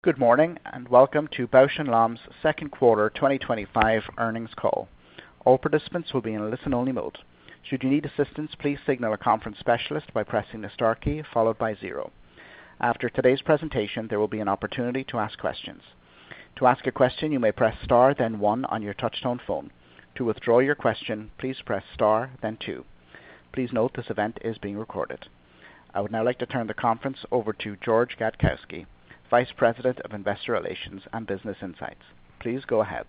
Good morning, and welcome to Bausch and Lomb's Second Quarter twenty twenty five Earnings Call. All participants will be in a listen only mode. Please note this event is being recorded. I would now like to turn the conference over to George Gatkowski, Vice President of Investor Relations and Business Insights. Please go ahead.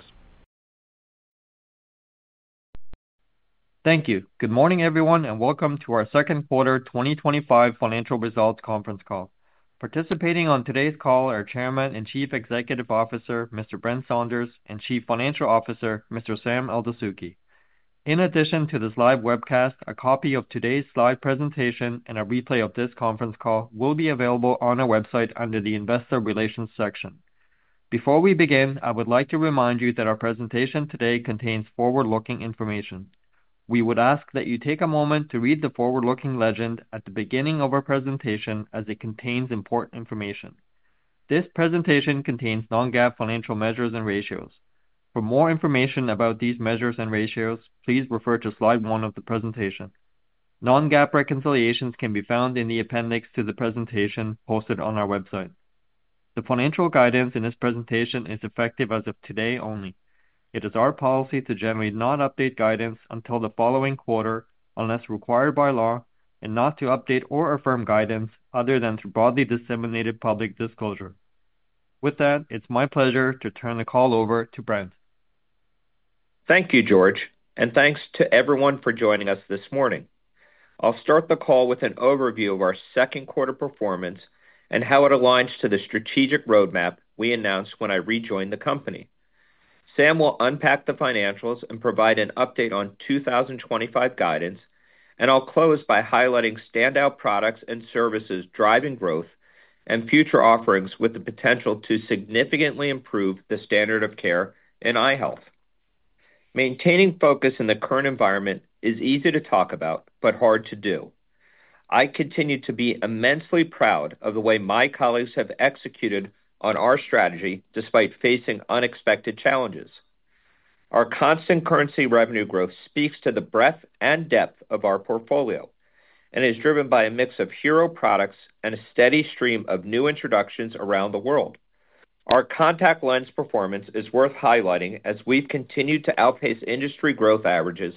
Thank you. Good morning, everyone, and welcome to our second quarter twenty twenty five financial results conference call. Participating on today's call are Chairman and Chief Executive Officer, Mr. Brent Saunders and Chief Financial Officer, Mr. Sam Aldousuki. In addition to this live webcast, a copy of today's slide presentation and a replay of this conference call will be available on our website under the Investor Relations section. Before we begin, I would like to remind you that our presentation today contains forward looking information. We would ask that you take a moment to read the forward looking legend at the beginning of our presentation as it contains important information. This presentation contains non GAAP financial measures and ratios. For more information about these measures and ratios, please refer to slide one of the presentation. Non GAAP reconciliations can be found in the appendix to the presentation posted on our website. The financial guidance in this presentation is effective as of today only. It is our policy to generate non update guidance until the following quarter unless required by law and not to update or affirm guidance other than through broadly disseminated public disclosure. With that, it's my pleasure to turn the call over to Brent. Thank you, George, and thanks to everyone for joining us this morning. I'll start the call with an overview of our second quarter performance and how it aligns to the strategic roadmap we announced when I rejoined the company. Sam will unpack the financials and provide an update on 2025 guidance, and I'll close by highlighting standout products and services driving growth and future offerings with to significantly improve the standard of care in eye health. Maintaining focus in the current environment is easy to talk about, but hard to do. I continue to be immensely proud of the way my colleagues have executed on our strategy despite facing unexpected challenges. Our constant currency revenue growth speaks to the breadth and depth of our portfolio and is driven by a mix of hero products and a steady stream of new introductions around the world. Our contact lens performance is worth highlighting as we've continued to outpace industry growth averages,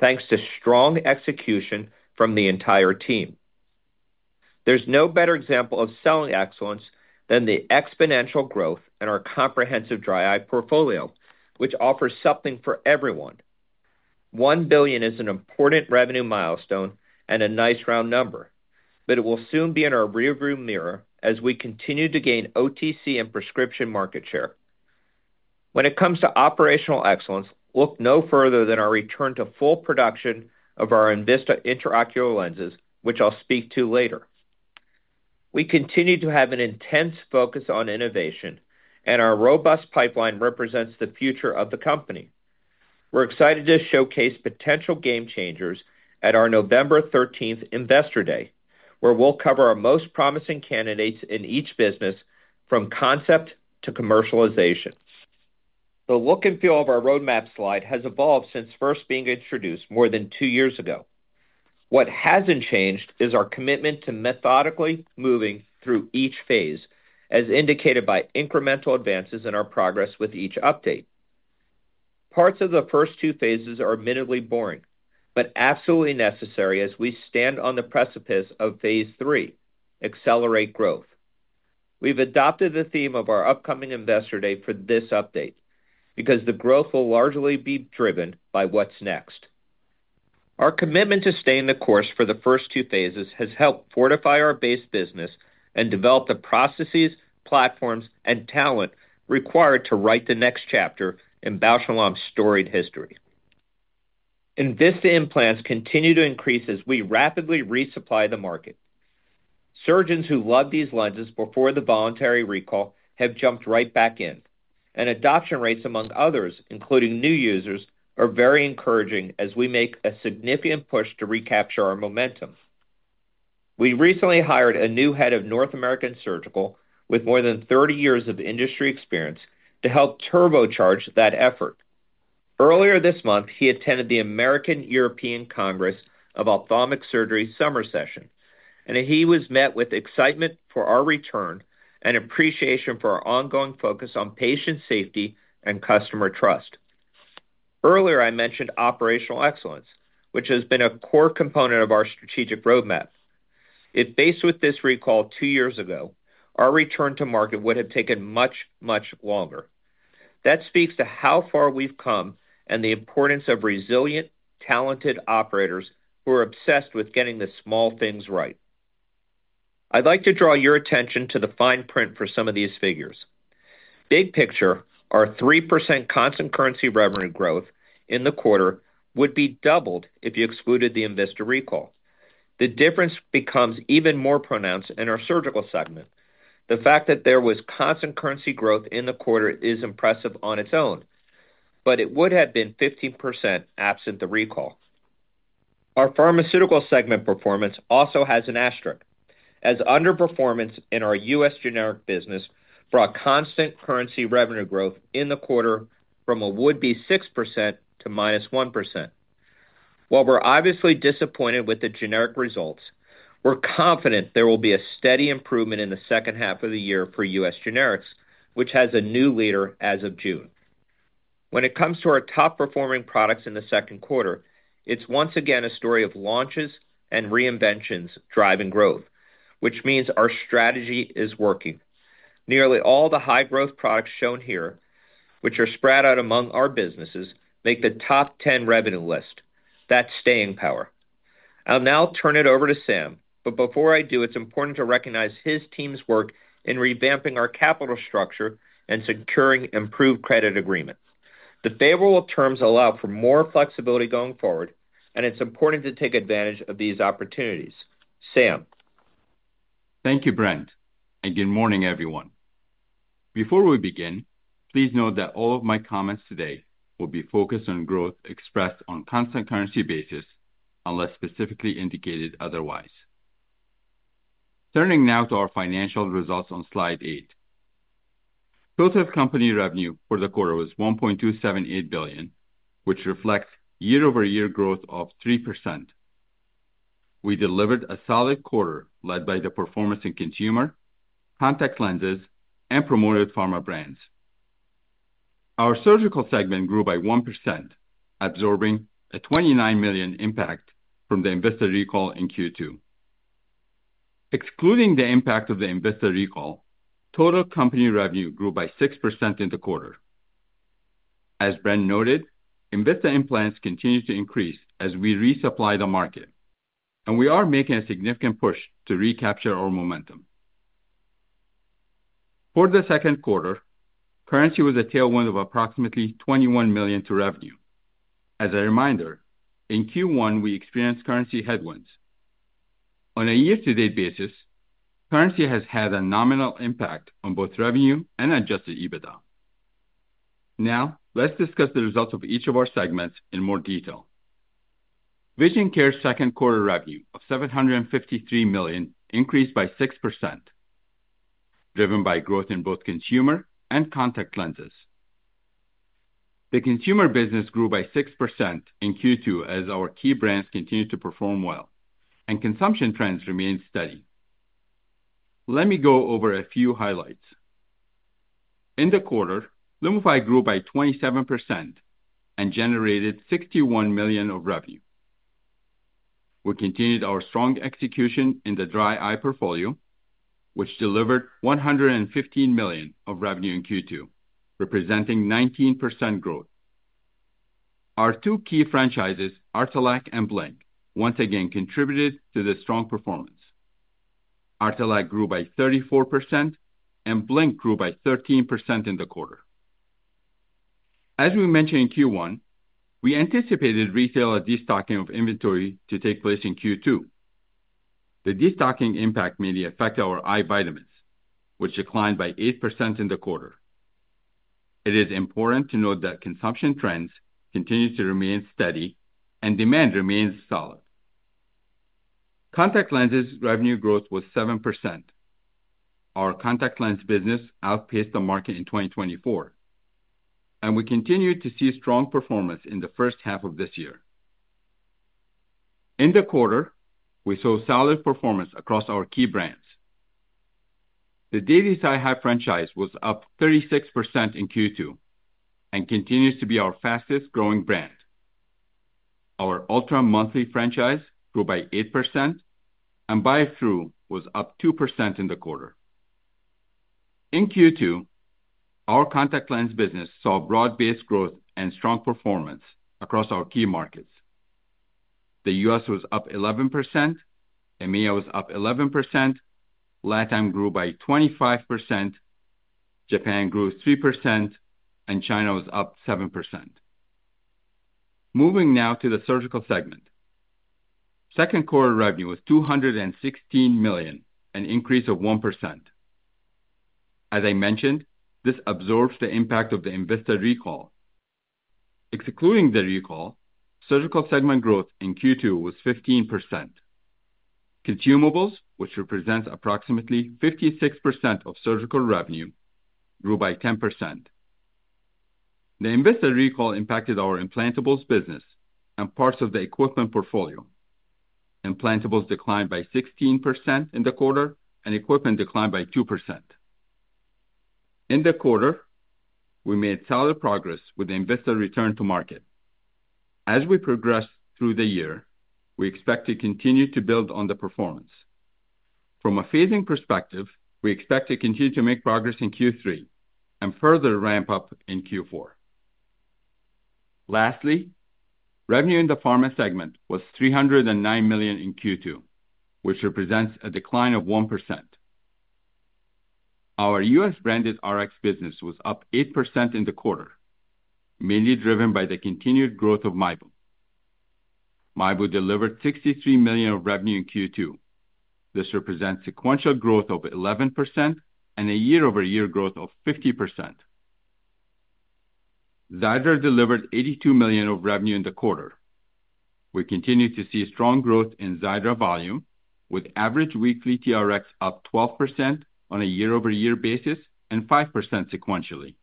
thanks to strong execution from the entire team. There's no better example of selling excellence than the exponential growth in our comprehensive dry eye portfolio, which offers something for everyone. Dollars 1,000,000,000 is an important revenue milestone and a nice round number, but it will soon be in our rear view mirror as we continue to gain OTC and prescription market share. When it comes to operational excellence, look no further than our return to full production of our Envista intraocular lenses, which I'll speak to later. We continue to have an intense focus on innovation and our robust pipeline represents the future of the company. We're excited to showcase potential game changers at our November 13 Investor Day, where we'll cover our most promising candidates in each business from concept to commercialization. The look and feel of our roadmap slide has evolved since first being introduced more than two years ago. What hasn't changed is our commitment to methodically moving through each phase, as indicated by incremental advances in our progress with each update. Parts of the first two phases are admittedly boring, but absolutely necessary as we stand on the precipice of phase three, accelerate growth. We've adopted the theme of our upcoming Investor Day for this update, because the growth will largely be driven by what's next. Our commitment to staying the course for the first two phases has helped fortify our base business and develop the processes, platforms and talent required to write the next chapter in Bausch and Lomb's storied history. Envista implants continue to increase as we rapidly resupply the market. Surgeons who love these lenses before the voluntary recall have jumped right back in, and adoption rates among others, including new users, are very encouraging as we make a significant push to recapture our momentum. We recently hired a new head of North American Surgical with more than thirty years of industry experience to help turbocharge that effort. Earlier this month, he attended the American European Congress of Ophthalmic Surgery Summer and he was met with excitement for our return and appreciation for our ongoing focus on patient safety and customer trust. Earlier, I mentioned operational excellence, which has been a core component of our strategic roadmap. If based with this recall two years ago, our return to market would have taken much, much longer. That speaks to how far we've come and the importance of resilient, talented operators who are obsessed with getting the small things right. I'd like to draw your attention to the fine print for some of these figures. Big picture, our 3% constant currency revenue growth in the quarter would be doubled if you excluded the Envista recall. The difference becomes even more pronounced in our Surgical segment. The fact that there was constant currency growth in the quarter is impressive on its own, but it would have been 15% absent the recall. Our Pharmaceutical segment performance also has an asterisk, as underperformance in our U. S. Generic business brought constant currency revenue growth in the quarter from a would be 6% to minus 1%. While we're obviously disappointed with the generic results, we're confident there will be a steady improvement in the second half of the year for U. S. Generics, which has a new leader as of June. When it comes to our top performing products in the second quarter, it's once again a story of launches and reinventions driving growth, which means our strategy is working. Nearly all the high growth products shown here, which are spread out among our businesses, make the top 10 revenue list. That's staying power. I'll now turn it over to Sam, but before I do, it's important to recognize his team's work in revamping our capital structure and securing improved credit agreement. The favorable terms allow for more flexibility going forward, and it's important to take advantage of these opportunities. Sam? Thank you, Brent, and good morning, everyone. Before we begin, please note that all of my comments today will be focused on growth expressed on constant currency basis unless specifically indicated otherwise. Turning now to our financial results on Slide eight. Total company revenue for the quarter was $1,278,000,000 which reflects year over year growth of 3%. We delivered a solid quarter led by the performance in consumer, contact lenses and promoted pharma brands. Our surgical segment grew by 1%, absorbing a $29,000,000 impact from the investor recall in Q2. Excluding the impact of the investor recall, total company revenue grew by 6% in the quarter. As Bren noted, investor implants continue to increase as we resupply the market, and we are making a significant push to recapture our momentum. For the second quarter, currency was a tailwind of approximately $21,000,000 to revenue. As a reminder, in Q1, we experienced currency headwinds. On a year to date basis, currency has had a nominal impact on both revenue and adjusted EBITDA. Now let's discuss the results of each of our segments in more detail. Vision Care second quarter revenue of $753,000,000 increased by 6%, driven by growth in both consumer and contact lenses. The consumer business grew by 6% in Q2 as our key brands continued to perform well, and consumption trends remained steady. Let me go over a few highlights. In the quarter, Lumify grew by 27% and generated $61,000,000 of revenue. We continued our strong execution in the dry eye portfolio, which delivered $115,000,000 of revenue in Q2, representing 19% growth. Our two key franchises, Artilac and Blink, once again contributed to the strong performance. Artilac grew by 34% and Blink grew by 13% in the quarter. As we mentioned in Q1, we anticipated retail destocking of inventory to take place in Q2. The destocking impact mainly affected our eye vitamins, which declined by 8% in the quarter. It is important to note that consumption trends continue to remain steady and demand remains solid. Contact lenses revenue growth was 7%. Our contact lens business outpaced the market in 2024, and we continue to see strong performance in the first half of this year. In the quarter, we saw solid performance across our key brands. The Daily SiHype franchise was up 36 in Q2 and continues to be our fastest growing brand. Our Ultra Monthly franchise grew by 8% and Buy Through was up 2% in the quarter. In Q2, our contact lens business saw broad based growth and strong performance across our key markets. The U. S. Was up 11%, EMEA was up 11%, LATAM grew by 25%, Japan grew 3%, and China was up 7%. Moving now to the Surgical segment. Second quarter revenue was $216,000,000 an increase of 1%. As I mentioned, this absorbs the impact of the investor recall. Excluding the recall, surgical segment growth in Q2 was 15%. Consumables, which represents approximately 56% of surgical revenue, grew by 10%. The invested recall impacted our implantables business and parts of the equipment portfolio. Implantables declined by 16% in the quarter, and equipment declined by 2%. In the quarter, we made solid progress with the investor return to market. As we progress through the year, we expect to continue to build on the performance. From a phasing perspective, we expect to continue to make progress in Q3 and further ramp up in Q4. Lastly, revenue in the Pharma segment was $3.00 $9,000,000 in Q2, which represents a decline of 1%. Our U. S. Branded Rx business was up 8% in the quarter, mainly driven by the continued growth of MyBu. MyBu delivered $63,000,000 of revenue in Q2. This represents sequential growth of 11% and a year over year growth of 50%. Xiidra delivered $82,000,000 of revenue in the quarter. We continue to see strong growth in Xiidra volume with average weekly TRx up 12% on a year over year basis and 5% sequentially.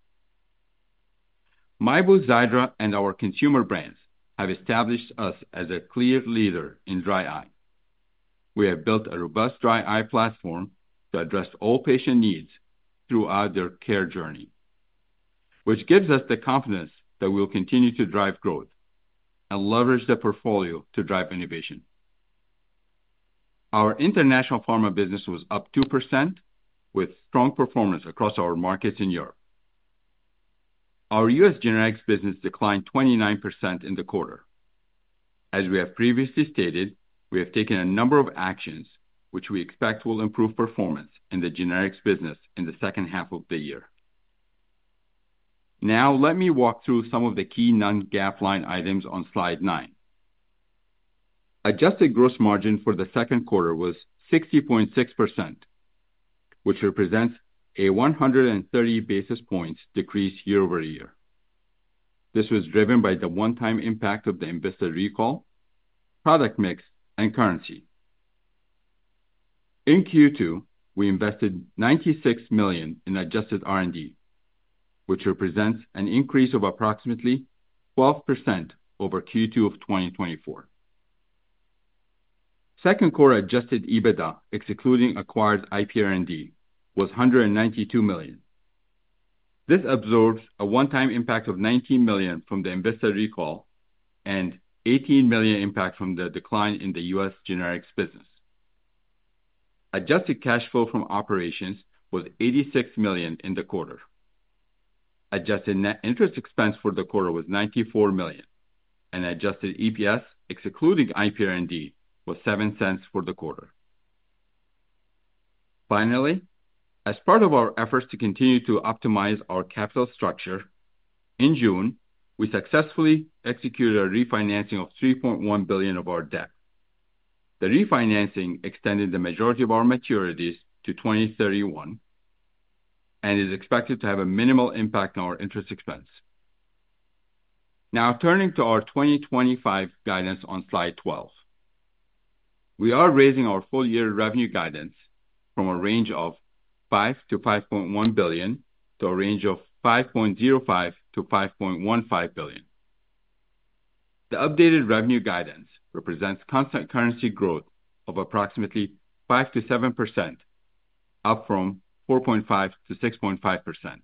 MyBoo, Xiidra and our consumer brands have established us as a clear leader in dry eye. We have built a robust dry eye platform to address all patient needs throughout their care journey, which gives us the confidence that we'll continue to drive growth and leverage the portfolio to drive innovation. Our international pharma business was up 2% with strong performance across our markets in Europe. Our U. S. Generics business declined 29% in the quarter. As we have previously stated, we have taken a number of actions, which we expect will improve performance in the generics business in the second half of the year. Now let me walk through some of the key non GAAP line items on Slide nine. Adjusted gross margin for the second quarter was 60.6%, which represents a 130 basis points decrease year over year. This was driven by the onetime impact of the investor recall, product mix and currency. In Q2, we invested $96,000,000 in adjusted R and D, which represents an increase of approximately 12% over 2024. Second quarter adjusted EBITDA, excluding acquired IPR and D, was $192,000,000 This absorbs a onetime impact of $19,000,000 from the investor recall and $18,000,000 impact from the decline in The U. S. Generics business. Adjusted cash flow from operations was $86,000,000 in the quarter. Adjusted net interest expense for the quarter was $94,000,000 and adjusted EPS excluding IPR and D was $07 for the quarter. Finally, as part of our efforts to continue to optimize our capital structure, in June, we successfully executed a refinancing of $3,100,000,000 of our debt. The refinancing extended the majority of our maturities to 2031 and is expected to have a minimal impact on our interest expense. Now turning to our 2025 guidance on Slide 12. We are raising our full year revenue guidance from a range of $5,000,000,000 to $5,100,000,000 to a range of 5,050,000,000.00 to 5,150,000,000.00 The updated revenue guidance represents constant currency growth of approximately 5% to 7%, up from 4.5% to 6.5%.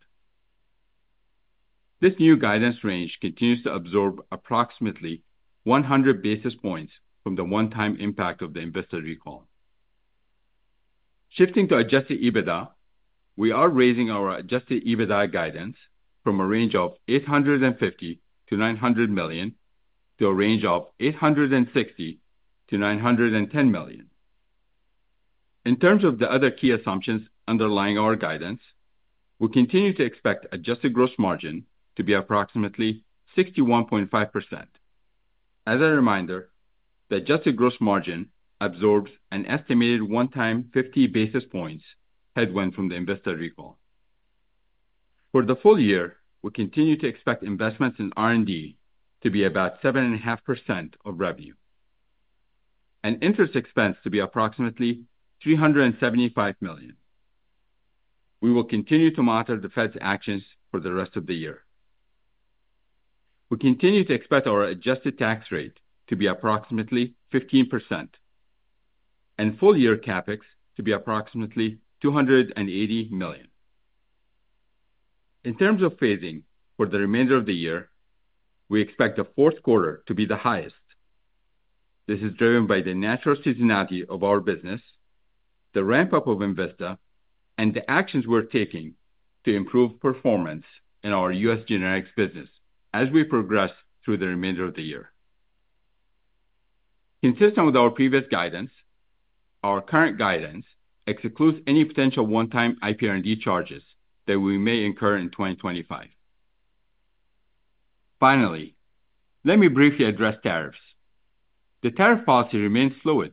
This new guidance range continues to absorb approximately 100 basis points from the one time impact of the investor recall. Shifting to adjusted EBITDA, we are raising our adjusted EBITDA guidance from a range of $850,000,000 to $900,000,000 to a range of $860,000,000 to $910,000,000 In terms of the other key assumptions underlying our guidance, we continue to expect adjusted gross margin to be approximately 61.5%. As a reminder, the adjusted gross margin absorbs an estimated one time 50 basis points headwind from the investor recall. For the full year, we continue to expect investments in R and D to be about 7.5% of revenue and interest expense to be approximately $375,000,000 We will continue to monitor the Fed's actions for the rest of the year. We continue to expect our adjusted tax rate to be approximately 15% and full year CapEx to be approximately $280,000,000 In terms of phasing for the remainder of the year, we expect the fourth quarter to be the highest. This is driven by the natural seasonality of our business, the ramp up of Envista and the actions we're taking to improve performance in our U. S. Generics business as we progress through the remainder of the year. Consistent with our previous guidance, our current guidance excludes any potential one time IPR and D charges that we may incur in 2025. Finally, let me briefly address tariffs. The tariff policy remains fluid,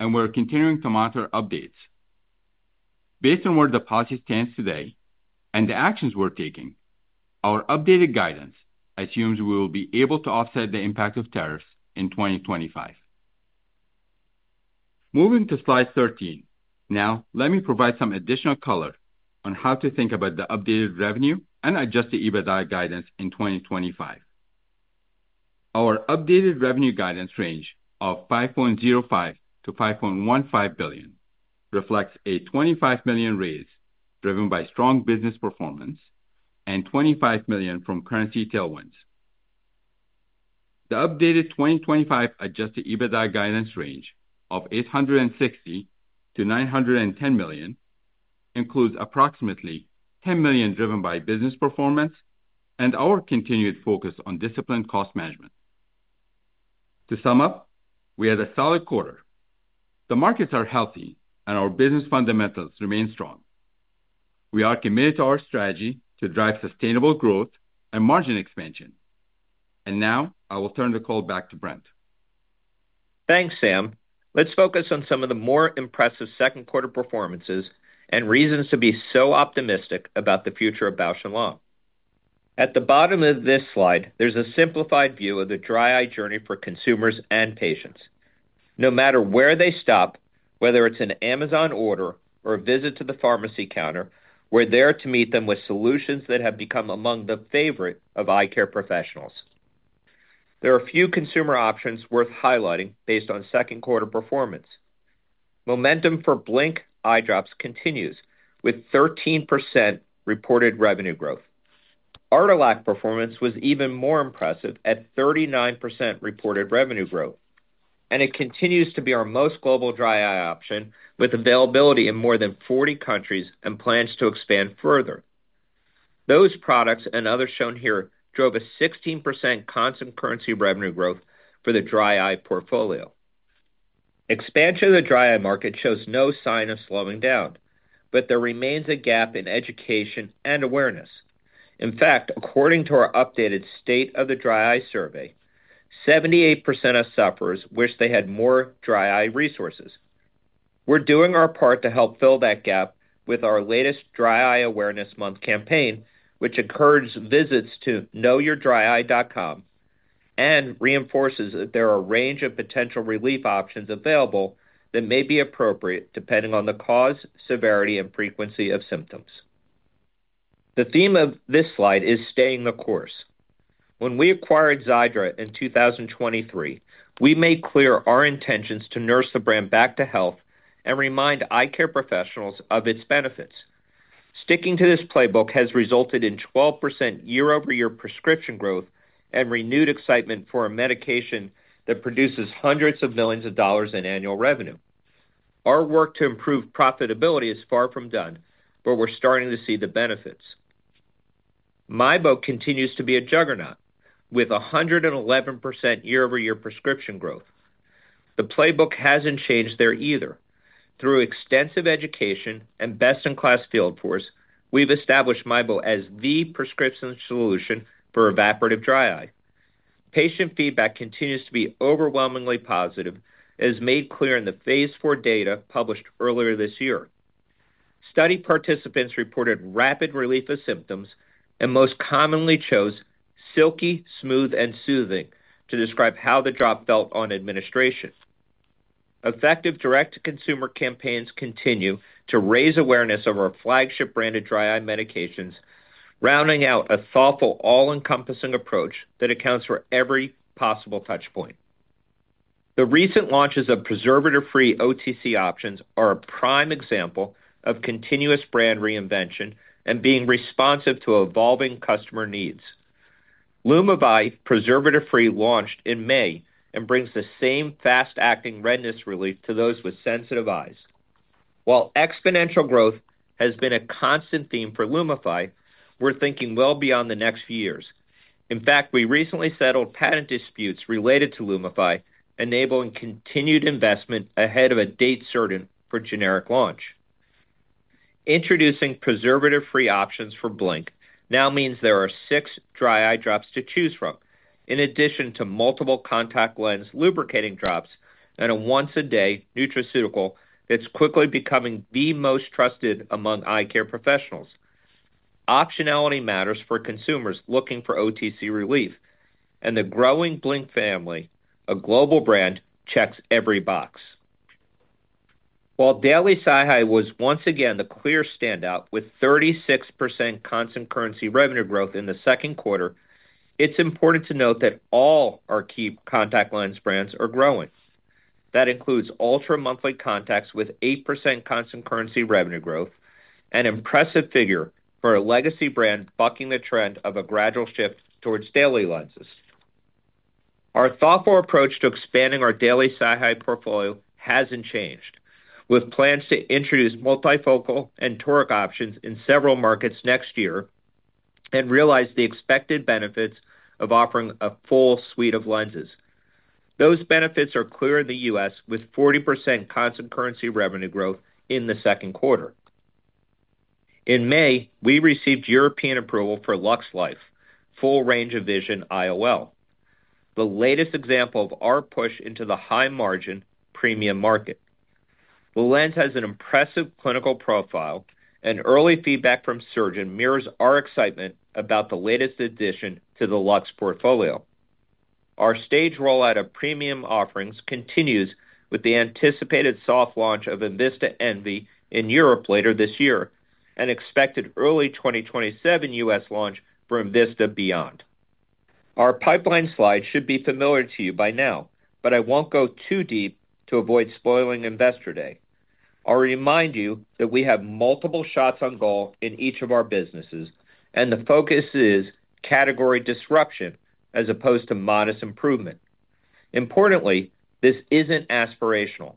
and we're continuing to monitor updates. Based on where the policy stands today and the actions we're taking, our updated guidance assumes we will be able to offset the impact of tariffs in 2025. Moving to Slide 13. Now let me provide some additional color on how to think about the updated revenue and adjusted EBITDA guidance in 2025. Our updated revenue guidance range of 5,050,000,000.00 to $5,150,000,000 reflects a $25,000,000 raise, driven by strong business performance and $25,000,000 from currency tailwinds. The updated 2025 adjusted EBITDA guidance range of $860,000,000 to $910,000,000 includes approximately $10,000,000 driven by business performance and our continued focus on disciplined cost management. To sum up, we had a solid quarter. The markets are healthy and our business fundamentals remain strong. We are committed to our strategy to drive sustainable growth and margin expansion. And now, I will turn the call back to Brent. Thanks, Sam. Let's focus on some of the more impressive second quarter performances and reasons to be so optimistic about the future of Bausch and Lomb. At the bottom of this slide, there's a simplified view of the dry eye journey for consumers and patients. No matter where they stop, whether it's an Amazon order or a visit to the pharmacy counter, we're there to meet them with solutions that have become among the favorite of eye care professionals. There are a few consumer options worth highlighting based on second quarter performance. Momentum for Blink eye drops continues with 13% reported revenue growth. Ardalac performance was even more impressive at 39% reported revenue growth. And it continues to be our most global dry eye option option with availability in more than 40 countries and plans to expand further. Those products and others shown here drove a 16% constant currency revenue growth for the dry eye portfolio. Expansion of the dry eye market shows no sign of slowing down, but there remains a gap in education and awareness. In fact, according to our updated State of the Dry Eye Survey, seventy eight percent of sufferers wish they had more dry eye resources. We're doing our part to help fill that gap with our latest Dry Eye Awareness Month campaign, which encourages visits to knowyourdryeye.com and reinforces that there are a range of potential relief options available that may be appropriate depending on the cause, severity and frequency of symptoms. The theme of this slide is staying the course. When we acquired Xiidra in 2023, we made clear our intentions to nurse the brand back to health and remind eye care professionals of its benefits. Sticking to this playbook has resulted in 12% year over year prescription growth and renewed excitement for a medication that produces hundreds of millions of dollars in annual revenue. Our work to improve profitability is far from done, but we're starting to see the benefits. MyBoat continues to be a juggernaut with 111 year over year prescription growth. The playbook hasn't changed there either. Through extensive education and best in class field force, we've established MyBo as the prescription solution for evaporative dry eye. Patient feedback continues to be overwhelmingly positive as made clear in the Phase IV data published earlier this year. Study participants reported rapid relief of symptoms and most commonly chose silky, smooth, and soothing to describe how the drop felt on administration. Effective direct to consumer campaigns continue to raise awareness of our flagship branded dry eye medications, rounding out a thoughtful all encompassing approach that accounts for every possible touch point. The recent launches of preservative free OTC options are a prime example of continuous brand reinvention and being responsive to evolving customer needs. Lumify preservative free launched in May and brings the same fast acting redness relief to those with sensitive eyes. While exponential growth has been a constant theme for Lumify, we're thinking well beyond the next few years. In fact, we recently settled patent disputes related to Lumify, enabling continued investment ahead of a date certain for generic launch. Introducing preservative free options for Blink now means there are six dry eye drops to choose from, in addition to multiple contact lens lubricating drops and a once a day nutraceutical that's quickly becoming the most trusted among eye care professionals. Optionality matters for consumers looking for OTC relief, and the growing Blink family, a global brand, checks every box. While daily SiHy was once again the clear standout with 36% constant currency revenue growth in the second quarter, it's important to note that all our key contact lens brands are growing. That includes ultra monthly contacts with 8% constant currency revenue growth, an impressive figure for a legacy brand bucking the trend of a gradual shift towards daily lenses. Our thoughtful approach to expanding our daily SiHyde portfolio hasn't changed, with plans to introduce multifocal and toric options in several markets next year and realize the expected benefits of offering a full suite of lenses. Those benefits are clear in The US with 40% constant currency revenue growth in the second quarter. In May, we received European approval for LuxLife Full Range of Vision IOL, the latest example of our push into the high margin premium market. The lens has an impressive clinical profile and early feedback from surgeon mirrors our excitement about the latest addition to the Lux portfolio. Our stage rollout of premium offerings continues with the anticipated soft launch of Envista Envy in Europe later this year and expected early twenty twenty seven U. S. Launch for Envista beyond. Our pipeline slide should be familiar to you by now, but I won't go too deep to avoid spoiling Investor Day. I'll remind you that we have multiple shots on goal in each of our businesses and the focus is category disruption as opposed to modest improvement. Importantly, this isn't aspirational.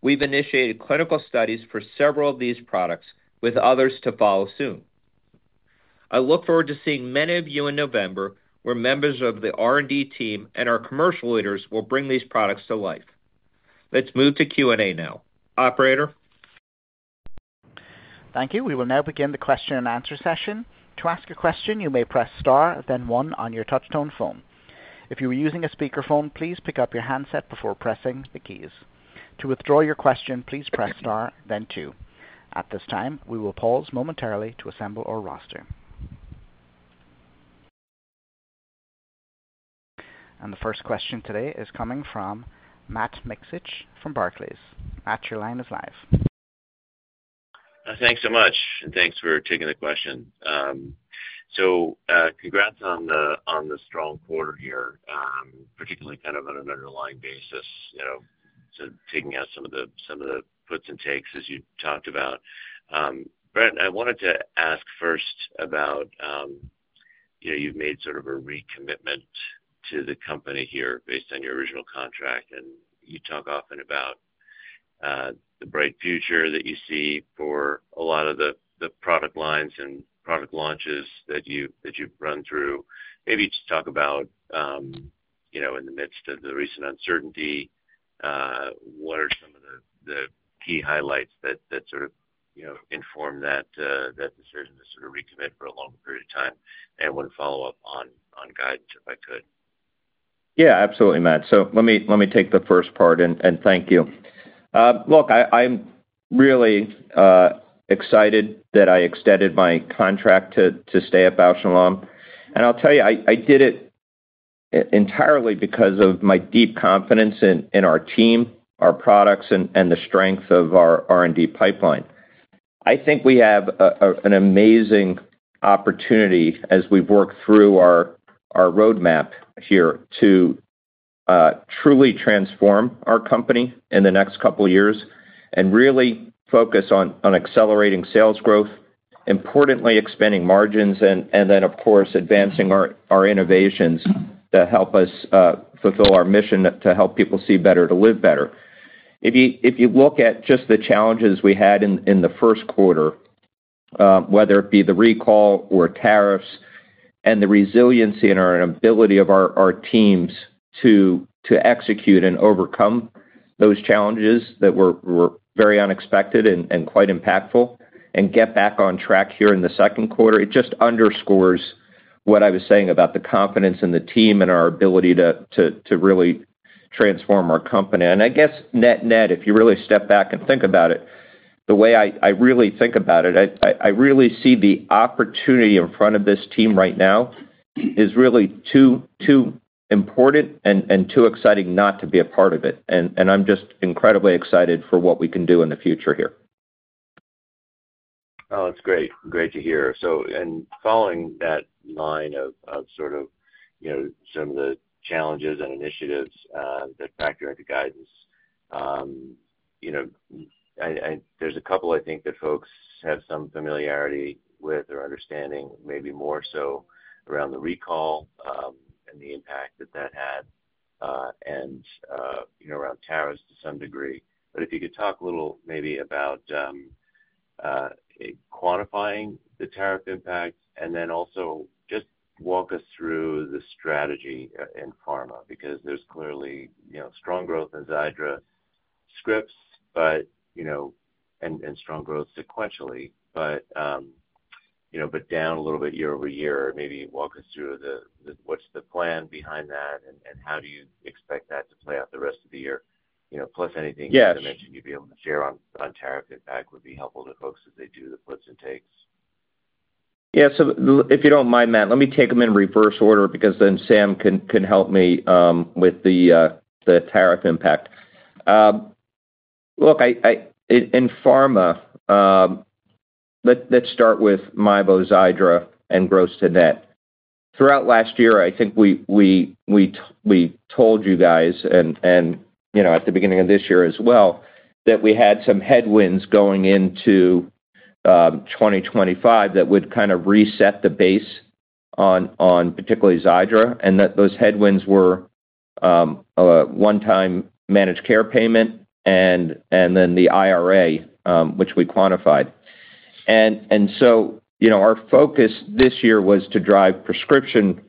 We've initiated clinical studies for several of these products with others to follow soon. I look forward to seeing many of you in November where members of the R and D team and our commercial leaders will bring these products to life. Let's move to Q and A now. Operator? Thank you. We will now begin the question and answer session. And the first question today is coming from Matt Miksic from Barclays. Matt, your line is live. Thanks so much and thanks for taking the question. So congrats on the strong quarter here, particularly kind of on an underlying basis, so taking some the puts and takes as you talked about. Brent, I wanted to ask first about, you know, you've made sort of a recommitment to the company here based on your original contract and you talk often about the bright future that you see for a lot of the product lines and product launches that you've run through. Maybe just talk about, you know, in the midst of the recent uncertainty, what are some of the key highlights that sort of, you know, inform that decision to sort of recommit for a long period of time? And one follow-up on guidance if I could. Yeah, absolutely Matt. So let me take the first part and thank you. Look, I'm really excited that I extended my contract to stay at Bausch and Lomb. And I'll tell you, did it entirely because of my deep confidence in our team, our products and the strength of our R and D pipeline. I think we have an amazing opportunity as we've worked through our roadmap here to truly transform our company in the next couple of years and really focus on accelerating sales growth, importantly expanding margins and then of course advancing our innovations that help us fulfill our mission to help people see better to live better. If you look at just the challenges we had in the first quarter, whether it be the recall or tariffs and the resiliency in our ability of our teams to execute and overcome those challenges that were very unexpected and quite impactful and get back on track here in the second quarter. It just underscores what I was saying about the confidence in the team and our ability to really transform our company. And I guess net net, if you really step back and think about it, the way I really think about it, I really see the opportunity in front of this team right now is really too important and too exciting not to be a part of it. And I'm just incredibly excited for what we can do in the future here. Oh, that's great. Great to hear. So and following that line of sort of, you know, some of the challenges and initiatives that factor into guidance, you know, I I there's a couple, I think, that folks have some familiarity with or understanding, maybe more so, around the recall and the impact that that had and, you know, around tariffs to some degree. But if you could talk a little maybe about quantifying the tariff impact, and then also just walk us through the strategy in pharma because there's clearly, you know, strong growth in Xiidra scripts, but, you know, and and strong growth sequentially, you know, but down a little bit year over year. Maybe walk us through the the what's the plan behind that, and and how do you expect that to play out the rest of the year? You know, plus anything that you mentioned you'd be able to share on tariff impact would be helpful to folks as they do the puts and takes. Yes, so if you don't mind Matt, let me take them in reverse order because then Sam can help me with the tariff impact. Look, in pharma, let's start with Mibosidra and gross to net. Throughout last year, I think we told you guys and at the beginning of this year as well that we had some headwinds going into 2025 that would kind of reset the base on particularly Xiidra, and that those headwinds were one time managed care payment and then the IRA, which we quantified. And so our focus this year was to drive prescription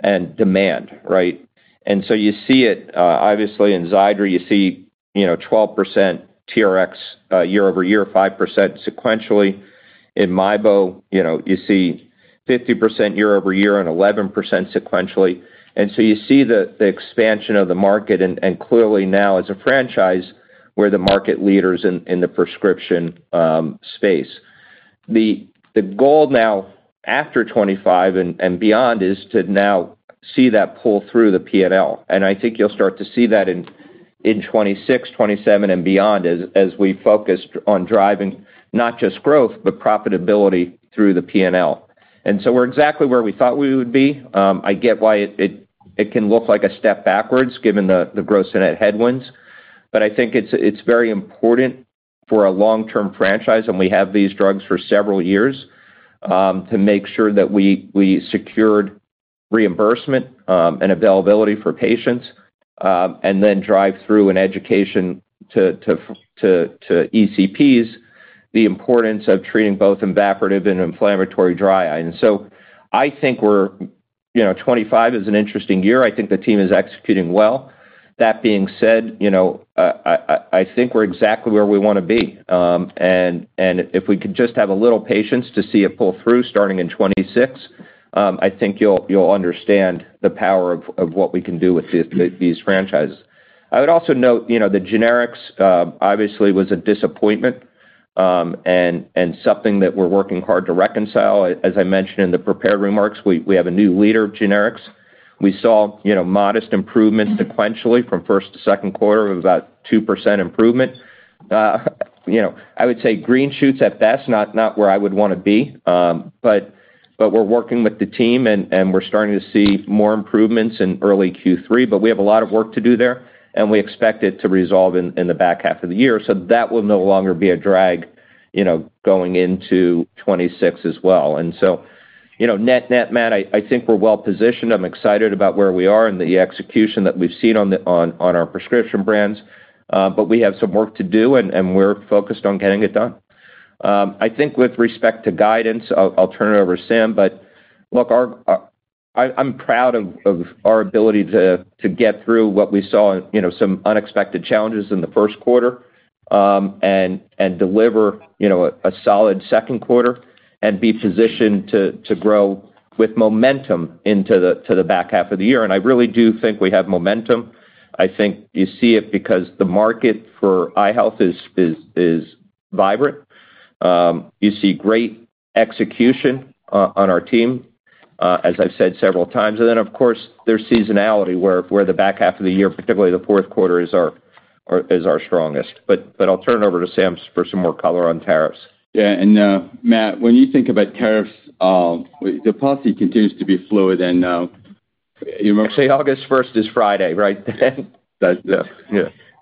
and demand, right? And so you see it obviously in Xiidra, you see 12% TRx year over year, 5% sequentially. In MIBO, you see 50% year over year and 11% sequentially. And so you see the expansion of the market and clearly now as a franchise, we're the market leaders in the prescription space. The goal now after '25 and beyond is to now see that pull through the P and L. And I think you'll start to see that in 2026, 2027 and beyond as we focused on driving not just growth, but profitability through the P and L. And so we're exactly where we thought we would be. I get why it can look like a step backwards given the gross to net headwinds. But I think it's very important for a long term franchise, and we have these drugs for several years, to make sure that we secured reimbursement and availability for patients, and then drive through an education to ECPs, the importance of treating both evaporative and inflammatory dry eye. And so I think we're, you know, '25 is an interesting year, I think the team is executing well. That being said, I think we're exactly where we want to be. And if we could just have a little patience to see it pull through starting in '26, I think you'll understand the power of what we can do with these franchises. I would also note, the generics obviously was a disappointment and something that we're working hard to reconcile. As I mentioned in the prepared remarks, we have a new leader of generics. We saw modest improvement sequentially from first to second quarter of about 2% improvement. I would say green shoots at best not where I would want to be, but we're working with the team and we're starting to see more improvements in early Q3, but we have a lot of work to do there And we expect it to resolve in the back half of the year. So that will no longer be a drag going into 2026 as well. And so net net, Matt, I think we're well positioned. I'm excited about where we are and the execution that we've seen on our prescription brands. But we have some work to do and we're focused on getting it done. I think with respect to guidance, I'll turn it over to Sam. But look, I'm proud of our ability to get through what we saw some unexpected challenges in the first quarter, and deliver a solid second quarter and be positioned to grow with momentum into the back half of the year. And I really do think we have momentum. I think you see it because the market for eye health is vibrant. You see great execution on our team, as I've said several times. And then of course, there's seasonality where the back half of the year, particularly the fourth quarter is our strongest. But I'll turn it over to Sam for some more color on tariffs. Yes. And Matt, when you think about tariffs, the policy continues to be fluid and you must say August 1 is Friday, right?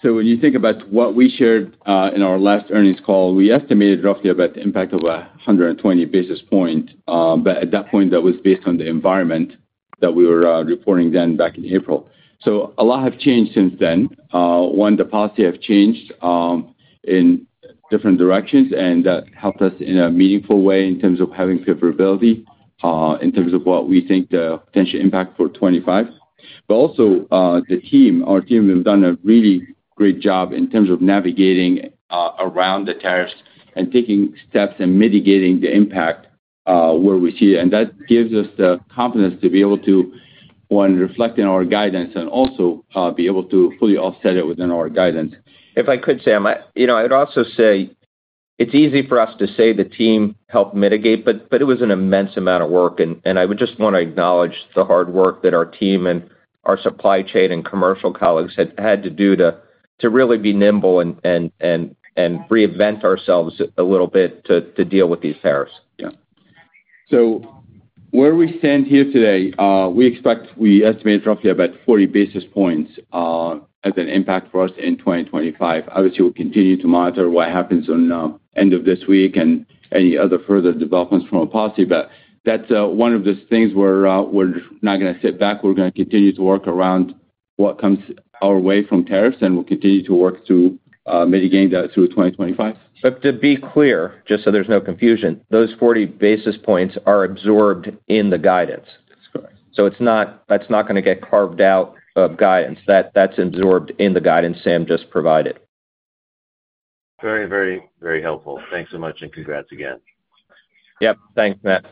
So when you think about what we shared, in our last earnings call, we estimated roughly about the impact of a 120 basis point. But at that point, that was based on the environment that we were reporting then back in April. So a lot have changed since then. One, the policy have changed in different directions, and that helped us in a meaningful way in terms of having favorability, in terms of what we think the potential impact for '25. But also, the team, our team have done a really great job in terms of navigating around the tariffs and taking steps and mitigating the impact where we see it. And that gives us the confidence to be able to when reflecting our guidance and also be able to fully offset it within our guidance. If I could Sam, I'd also say it's easy for us to say the team helped mitigate, it was an immense amount of work. And I would just want to acknowledge the hard work that our team and our supply chain and commercial colleagues had to do to really be nimble and reinvent ourselves a little bit to deal with these tariffs. Yeah. So where we stand here today, we expect we estimate roughly about 40 basis points, as an impact for us in 2025. Obviously, we'll continue to monitor what happens on end of this week and any other further developments from a policy, but that's, one of those things we're, we're not gonna sit back. We're gonna continue to work around what comes our way from tariffs, and we'll continue to work to, mitigate that through 2025. But to be clear, just so there's no confusion, those 40 basis points are absorbed in the guidance. So it's not that's not going to get carved out of guidance. That's absorbed in the guidance Sam just provided. Very, very, very helpful. Thanks so much and congrats again. Yep. Thanks, Matt.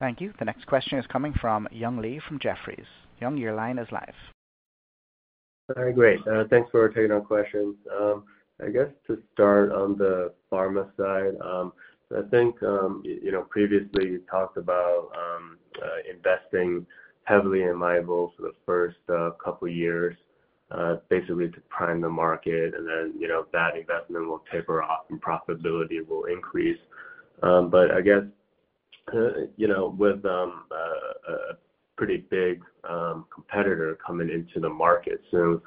Thank you. The next question is coming from Young Lee from Jefferies. Young, your line is live. Alright. Great. Thanks for taking our questions. I guess to start on the pharma side, I think, you know, previously, you talked about investing heavily in liable for the first couple years basically, to prime the market, and then, you know, that investment will taper off and profitability will increase. But I guess, you know, with a pretty big competitor coming into the market. So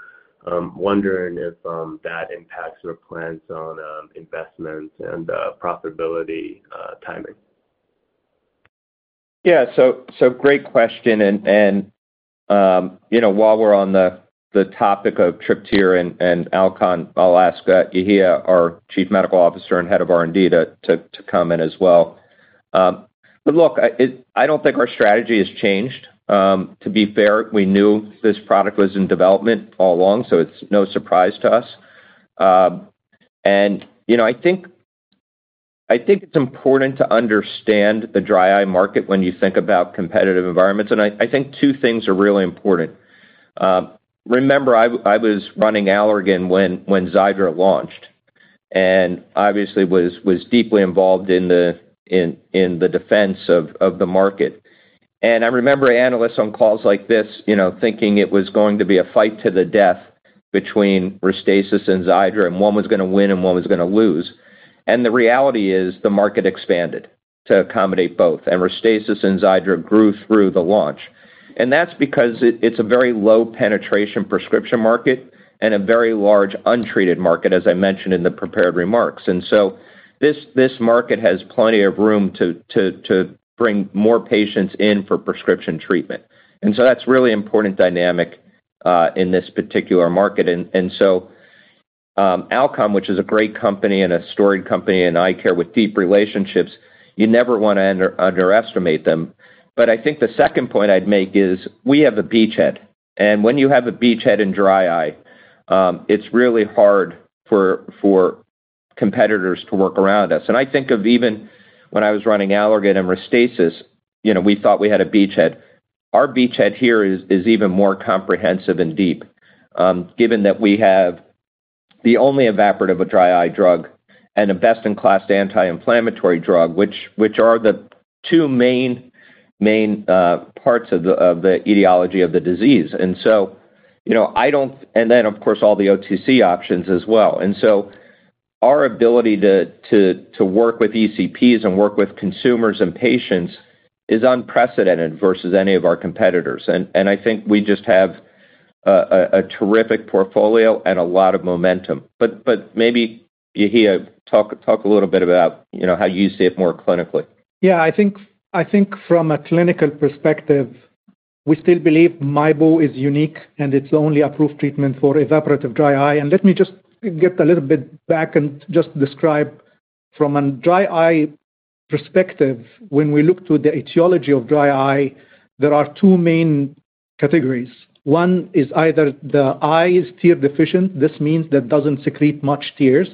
I'm wondering if that impacts your plans on investments and profitability timing. Yeah. So so great question. And and, while we're on the topic of Tripteer and Alcon, I'll ask Ehir, our Chief Medical Officer and Head of R and D to comment as well. But look, I don't think our strategy has changed. To be fair, we knew this product was in development all along, so it's no surprise to us. And I think it's important to understand the dry eye market when you think about competitive environments. I think two things are really important. Remember, was running Allergan when Xiidra launched and obviously was deeply involved in the defense of the market. And I remember analysts on calls like this, you know, thinking it was going to be a fight to the death between Restasis and Xiidra, and one was going to win and one was going to lose. And the reality is the market expanded to accommodate both and Restasis and Xiidra grew through the launch. And that's because it's a very low penetration prescription market and a very large untreated market as I mentioned in the prepared remarks. And so this market has plenty of room to bring more patients in for prescription treatment. And so that's really important dynamic in this particular market. So Alcom, which is a great company and a storied company and eye care with deep relationships, you never want to underestimate them. But I think the second point I'd make is we have a beachhead. And when you have a beachhead and dry eye, it's really hard for competitors to work around us. And I think of even when I was running Allergan and Restasis, we thought we had a beachhead. Our beachhead here is even more comprehensive and deep, given that we have the only evaporative dry eye drug and a best in class anti inflammatory drug, which are the two main parts of the etiology of the disease. And so, I don't and then of course, all the OTC options as well. And so our ability to work with ECPs and work with consumers and patients is unprecedented versus any of our competitors. I think we just have a terrific portfolio and a lot of momentum. But maybe Yahiya, talk a little bit about how you see it more clinically. Yeah, I think from a clinical perspective, we still believe Meiboh is unique and it's the only approved treatment for evaporative dry eye. And let me just get a little bit back and just describe from a dry eye perspective, when we look to the etiology of dry eye, there are two main categories. One is either the eyes tear deficient, this means that doesn't secrete much tears.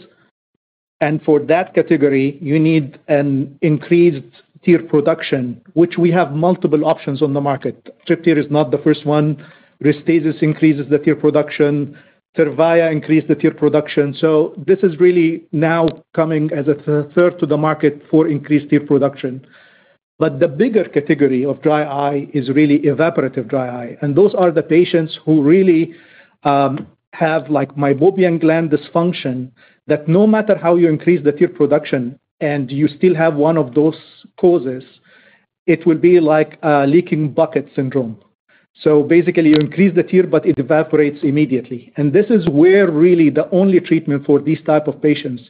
And for that category, you need an increased tear production, which we have multiple options on the market. Tripteer is not the first one. Restasis increases the tear production. TERVAYA increased the tear production. So this is really now coming as a third to the market for increased tear production. But the bigger category of dry eye is really evaporative dry eye. And those are the patients who really have like mycopian gland dysfunction that no matter how you increase the tear production and you still have one of those causes, it would be like a leaking bucket syndrome. So basically, you increase the tear, but it evaporates immediately. And this is where really the only treatment for these type of patients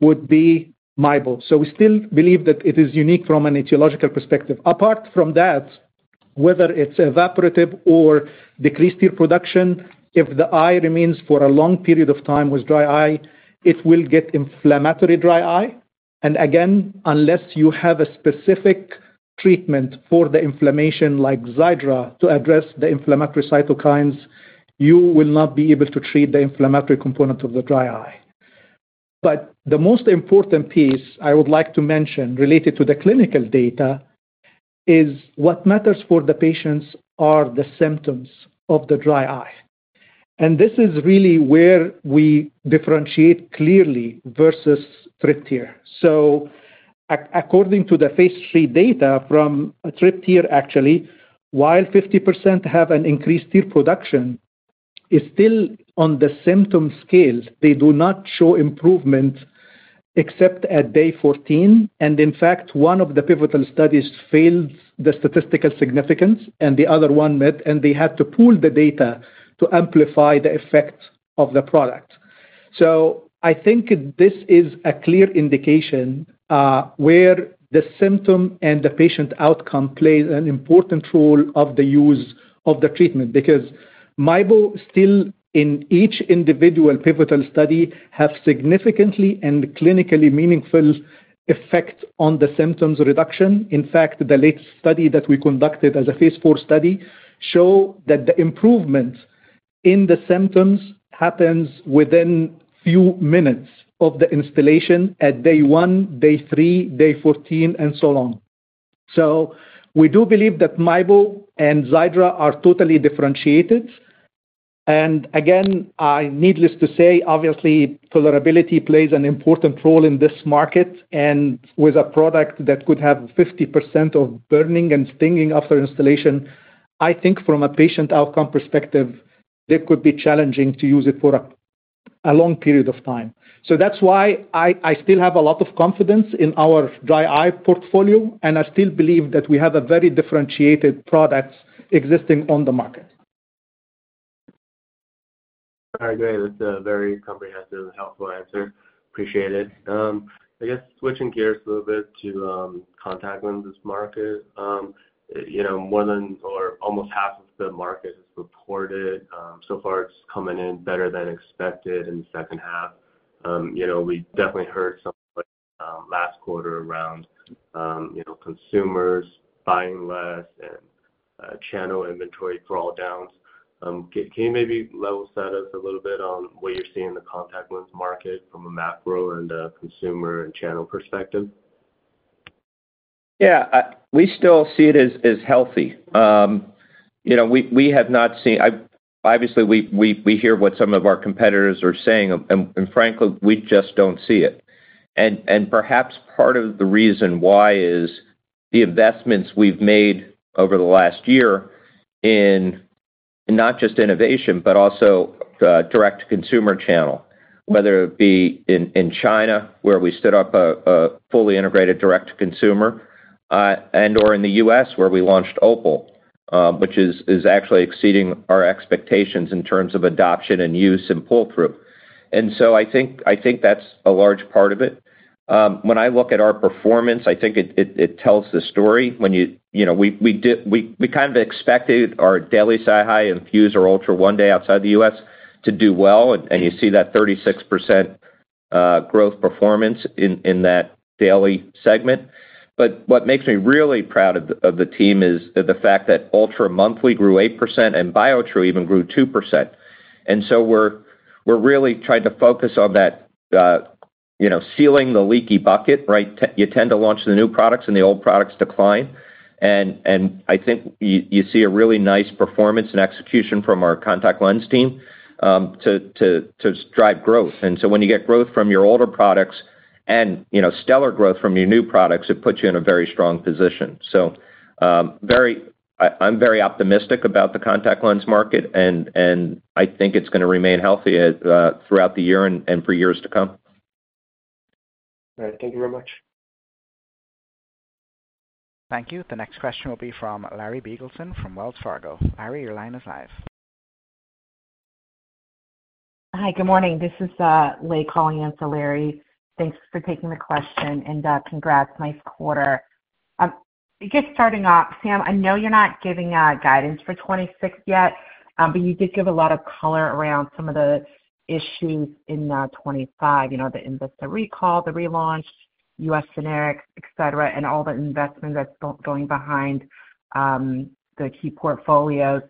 would be MIBO. So we still believe that it is unique from an etiological perspective. Apart from that, whether it's evaporative or decreased tear production, if the eye remains for a long period of time with dry eye, it will get inflammatory dry eye. And again, unless you have a specific treatment for the inflammation like Xiidra to address the inflammatory cytokines, you will not be able to treat the inflammatory component of the dry eye. But the most important piece I would like to mention related to the clinical data is what matters for the patients are the symptoms of the dry eye. And this is really where we differentiate clearly versus So according to the Phase III data from triptyr actually, while fifty percent have an increased TIP production, it's still on the symptom scale, they do not show improvement except at day 14. And in fact, one of the pivotal studies failed the statistical significance and the other one met, and they had to pool the data to amplify the effect of the product. So I think this is a clear indication where the symptom and the patient outcome plays an important role of the use of the treatment. Because MIBO still in each individual pivotal study have significantly and clinically meaningful effect on the symptoms reduction. In fact, the late study that we conducted as a Phase IV study show that the improvement in the symptoms happens within few minutes of the installation at day one, day three, day 14 and so on. So we do believe that MIBO and Xiidra are totally differentiated. And again, needless to say, obviously, tolerability plays an important role in this market. And with a product that could have 50% of burning and stinging after installation, I think from a patient outcome perspective, it could be challenging to use it for a long period of time. So that's why I still have a lot of confidence in our dry eye portfolio and I still believe that we have a very differentiated products existing on the market. Alright. Great. That's a very comprehensive and helpful answer. Appreciate it. I guess switching gears a little bit to contact lenses market. More than or almost half the market has reported. So far, it's coming in better than expected in the second half. You know, we definitely heard some last quarter around, you know, consumers buying less and channel inventory for all downs. Can you maybe level set us a little bit on what you're seeing in the contact lens market from a macro and consumer and channel perspective? Yeah, we still see it as healthy. Have not seen, obviously we hear what some of our competitors are saying and frankly, we just don't see it. And perhaps part of the reason why is the investments we've made over the last year in not just innovation, but also direct to consumer channel, whether it be in China, where we stood up a fully integrated direct to consumer and or in The U. S. Where we launched Opal, which is actually exceeding our expectations in terms of adoption and use and pull through. And so I think that's a large part of it. When I look at our performance, I think it tells the story. Kind of expected our daily SiHy and Fuze or Ultra One Day outside The U. S. To do well and you see that 36% growth performance in that daily segment. But what makes me really proud of the team is that the fact that Ultra monthly grew 8% and BioTrue even grew 2%. And so we're really trying to focus on that sealing the leaky bucket, You tend to launch the new products and the old products decline. And I think you see a really nice performance and execution from our contact lens team to drive growth. And so when you get growth from your older products and stellar growth from your new products, puts you in a very strong position. So, very I'm very optimistic about the contact lens market and I think it's going to remain healthy throughout the year and for years to come. Thank you very much. Thank you. The next question will be from Larry Biegelsen from Wells Fargo. Larry, your line is live. Hi, good morning. This is Lei calling in for Larry. Thanks for taking the question and congrats, nice quarter. I guess starting off, Sam, I know you're not giving guidance for 2026 yet, but you did give a lot of color around some of the issues in 2025, the recall, the relaunch, U. S. Generics, etcetera and all the investment that's going behind the key portfolios.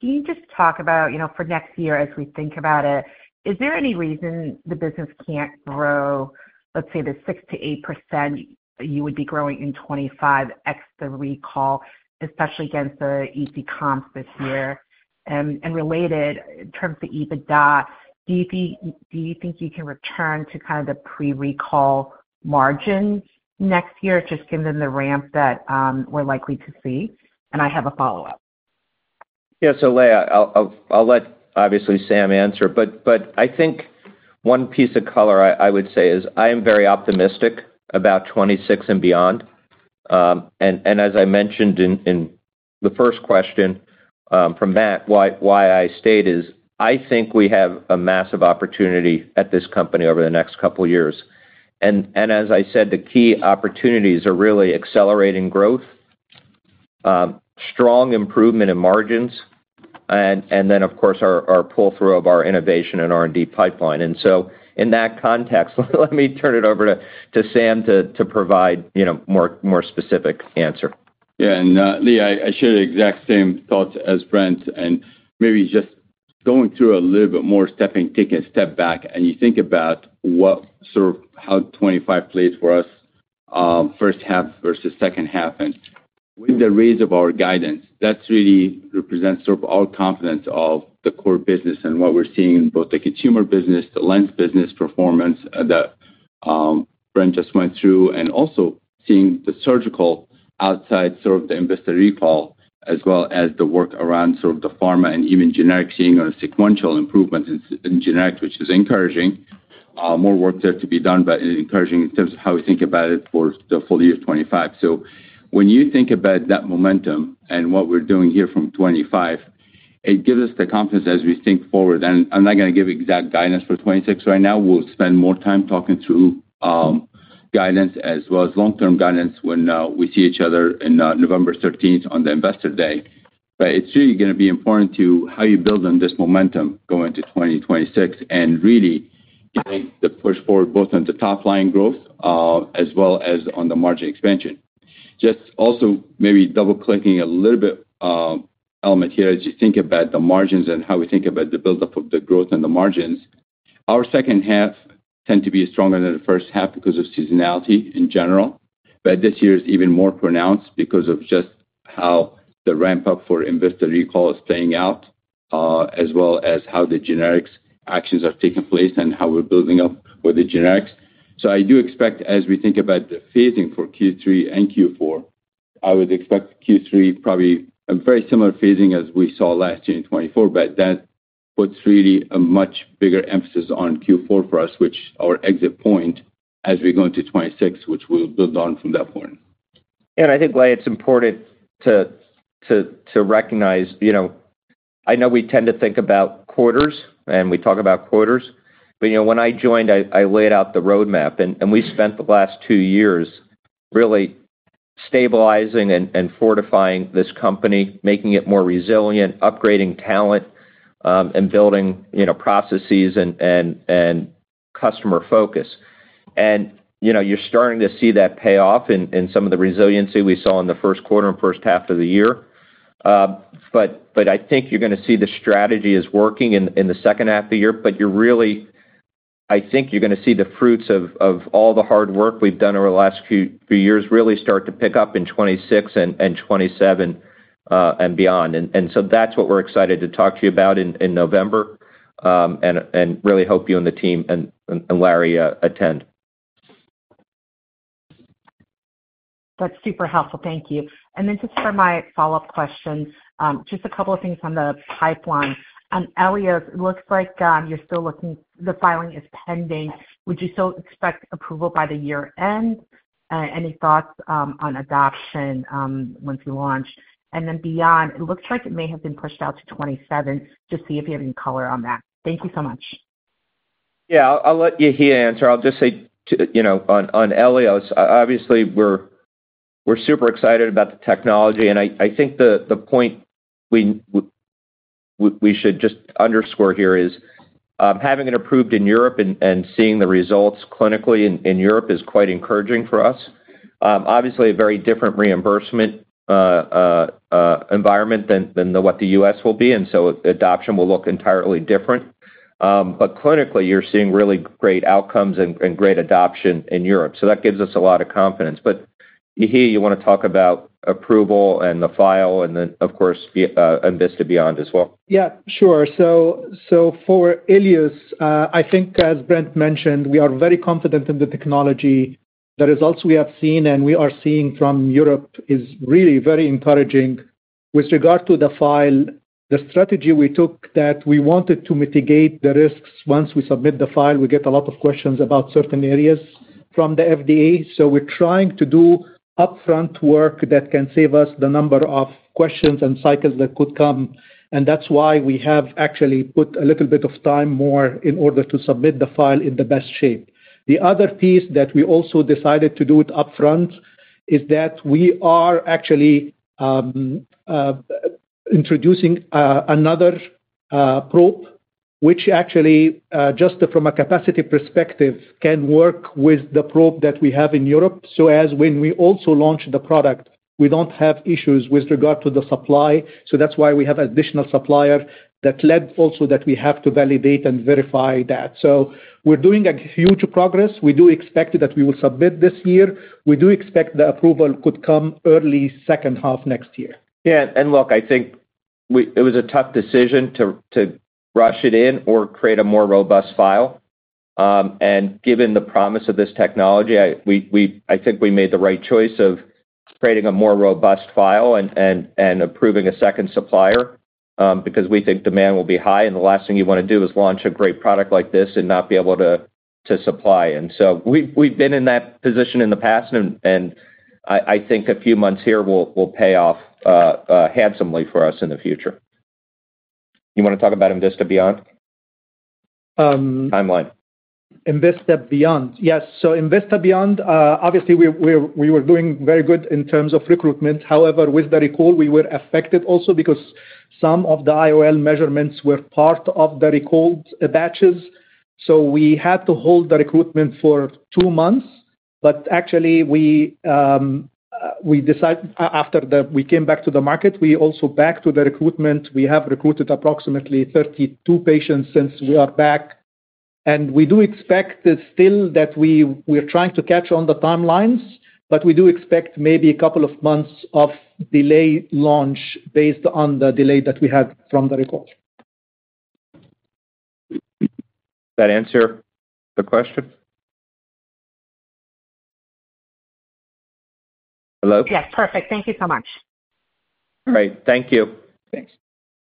Can you just talk about for next year as we think about it, is there any reason the business can't grow, let's say the 6% to 8% that you would be growing in '25 ex the recall, especially against the easy comps this year? And related in terms of EBITDA, do think you can return to kind of the pre recall margins next year, just given the ramp that we're likely to see? And I have a follow-up. Yes. So Leia, I'll let obviously Sam answer. But I think one piece of color I would say is I am very optimistic about '26 and beyond. And as I mentioned in the first question, from Matt, why I state is, I think we have a massive opportunity at this company over the next couple of years. And as I said, the key opportunities are really accelerating growth, strong improvement in margins, and then of course our pull through of our innovation and R and D pipeline. And so in that context, let me turn it over to Sam to provide more specific answer. Yeah, and Lee, I share the exact same thoughts as Brent and maybe just going through a little bit more stepping taking a step back and you think about what sort of how 25 plays for us, first half versus second half. And with the raise of our guidance, that really represents sort of all confidence of the core business and what we're seeing in both the consumer business, the lens business performance that Brent just went through and also seeing the surgical outside sort of the investor recall as well as the work around sort of the pharma and even generic seeing on a sequential improvement in generics, which is encouraging. More work there to be done, but encouraging in terms of how we think about it for the full year 2025. So when you think about that momentum and what we're doing here from 2025, it gives us the confidence as we think forward. And I'm not gonna give exact guidance for '26 right now. We'll spend more time talking through guidance as well as long term guidance when, we see each other in November 13 on the Investor Day. But it's really gonna be important to how you build on this momentum going to 2026 and really, I think, the push forward both on the top line growth, as well as on the margin expansion. Just also maybe double clicking a little bit element here as you think about the margins and how we think about the buildup of the growth in the margins. Our second half tend to be stronger than the first half because of seasonality in general, but this year is even more pronounced because of just how the ramp up for investor recall is playing out, as well as how the generics actions have taken place and how we're building up with the generics. So I do expect as we think about the phasing for q three and q four, I would expect Q3 probably a very similar phasing as we saw last year in '24, but that puts really a much bigger emphasis on Q4 for us, which our exit point as we go into '26, which we'll build on from that point. And I think, Leigh, it's important to recognize, you know, I know we tend to think about quarters, and we talk about quarters. But, you know, when I joined, I laid out the roadmap, and we spent the last two years really stabilizing and fortifying this company, making it more resilient, upgrading talent, and building processes and customer focus. And you're starting to see that pay off in some of the resiliency we saw in the first quarter and first half of the year. But I think you're going to see the strategy is working in the second half of the year, but you're really I think you're going to see the fruits of all the hard work we've done over the last few years really start to pick up in 2026 and 2027 and beyond. And so that's what we're excited to talk to you about in November and really hope you and the team and Larry attend. That's super helpful. Thank you. And then just for my follow-up questions, just a couple of things on the pipeline. On Elias, it looks like you're still looking, the filing is pending. Would you still expect approval by the year end? Any thoughts on adoption once we launch? And then beyond, it looks like it may have been pushed out to '27. Just see if you have any color on that. Thank you so much. Yeah. I'll let Yahiya answer. I'll just say on Elios, obviously, we're super excited about the technology. And I think the point we should just underscore here is having it approved in Europe and seeing the results clinically in Europe is quite encouraging for us. Obviously, a very different reimbursement environment than what The U. S. Will be and so adoption will look entirely different. But clinically, you're seeing really great outcomes and great adoption in Europe. So that gives us a lot of confidence. But Yahi, you want to talk about approval and the file and then of course, Envista Beyond as well. Yeah, sure. So for ILIUS, I think as Brent mentioned, we are very confident in the technology. The results we have seen and we are seeing from Europe is really very encouraging. With regard to the file, the strategy we took that we wanted to mitigate the risks once we submit the file, we get a lot of questions about certain areas from the FDA. So we're trying to do upfront work that can save us the number of questions and cycles that could come. And that's why we have actually put a little bit of time more in order to submit the file in the best shape. The other piece that we also decided to do it upfront is that we are actually introducing another probe, which actually, just from a capacity perspective, can work with the probe that we have in Europe. So as when we also launch the product, we don't have issues with regard to the supply. So that's why we have additional supplier that led also that we have to validate and verify that. So we're doing a huge progress. We do expect that we will submit this year. We do expect the approval could come early second half next year. Yeah. And look, I think it was a tough decision to rush it in or create a more robust file. And given the promise of this technology, I think we made the right choice of creating a more robust file and approving a second supplier because we think demand will be high. And the last thing you want to do is launch a great product like this and not be able to supply. And so we've been in that position in the past. I think a few months here will pay off handsomely for us in the future. You want to talk about INVESTA BEYOND? Timeline. INVESTA BEYOND. Yes. So INVESTA BEYOND, obviously, we were doing very good in terms of recruitment. However, with the recall, we were affected also because some of the IOL measurements were part of the recall batches. So we had to hold the recruitment for two months. But actually, we decided after that we came back to the market, we also back to the recruitment. We have recruited approximately 32 patients since we are back. And we do expect that still that we are trying to catch on the timelines, but we do expect maybe a couple of months of delay launch based on the delay that we had from the report. That answer the question? Hello? Yes. Perfect. Thank you so much. Great. Thank you. Thanks.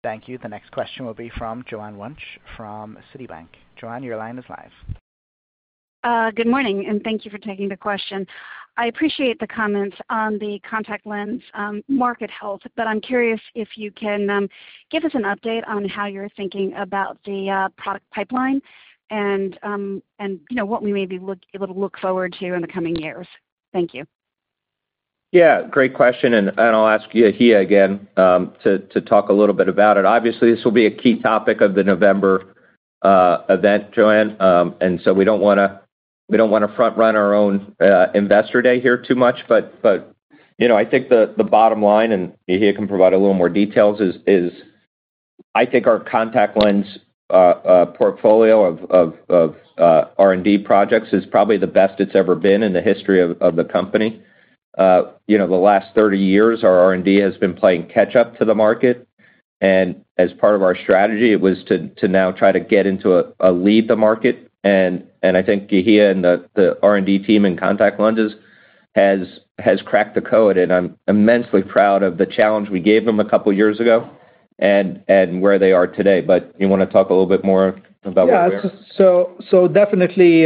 Thank you. The next question will be from Joanne Wuensch from Citibank. Joanne, your line is live. Good morning, and thank you for taking the question. I appreciate the comments on the contact lens market health, but I'm curious if you can give us an update on how you're thinking about the product pipeline and what we may be able to look forward to in the coming years. Thank you. Yeah, great question. And I'll ask Yahia again to talk a little bit about it. Obviously, this will be a key topic of the November event, Joanne. And so we don't want to front run our own Investor Day here too much. But I think the bottom line, and he can provide a little more details, is I think our contact lens portfolio of R and D projects is probably the best it's ever been in the history of the company. The last thirty years our R and D has been playing catch up to the market. And as part of our strategy, it was to now try to get into a lead the market. And I think he and the R and D team in contact lenses has cracked the code and I'm immensely proud of the challenge we gave them a couple of years ago and where they are today. But you want to talk a little bit more about where? Yes. Definitely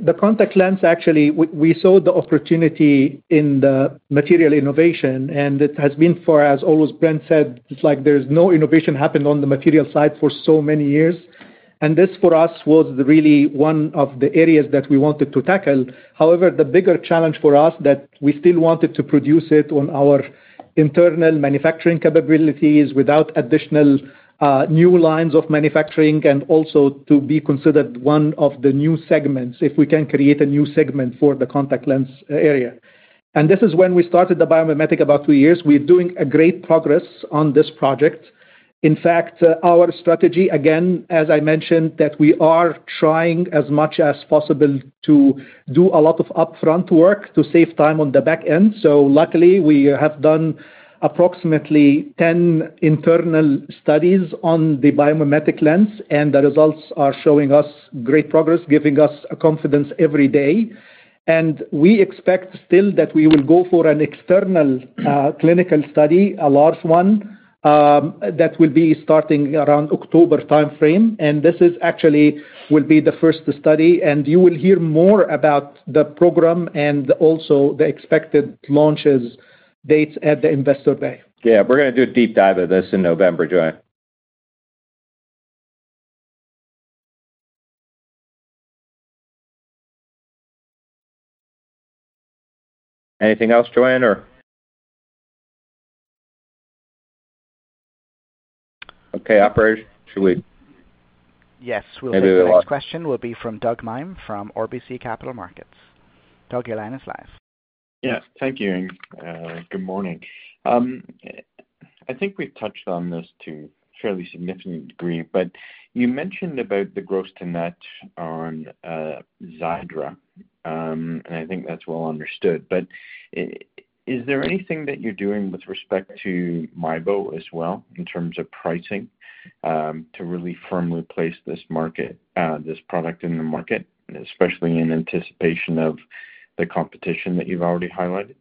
the contact lens actually, we saw the opportunity in the material innovation and it has been for us, as always Brent said, it's like there's no innovation happened on the material side for so many years. And this for us was really one of the areas that we wanted to tackle. However, the bigger challenge for us that we still wanted to produce it on our internal manufacturing capabilities without additional new lines of manufacturing and also to be considered one of the new segments, if we can create a new segment for the contact lens area. And this is when we started the Biomimetic about two years. We're doing a great progress on this project. In fact, our strategy, again, as I mentioned, that we are trying as much as possible to do a lot of upfront work to save time on the back end. So luckily, we have done approximately 10 internal studies on the biomimetic lens and the results are showing us great progress, giving us confidence every day. And we expect still that we will go for an external clinical study, a large one that will be starting around October timeframe. And this is actually will be the first study and you will hear more about the program and also the expected launches dates at the Investor Day. Yes, we're going to do a deep dive of this in November, Joanne. Anything else, Joanne? Okay, operator, shall we? We'll take our next question will be from Doug Mime from RBC Capital Markets. Doug, your line is live. Yes. Thank you and good morning. I think we've touched on this to a fairly significant degree, but you mentioned about the gross to net on Xiidra, and I think that's well understood. But is there anything that you're doing with respect to MIBO as well in terms of pricing to really firmly place this market this product in the market, especially in anticipation of the competition that you've already highlighted?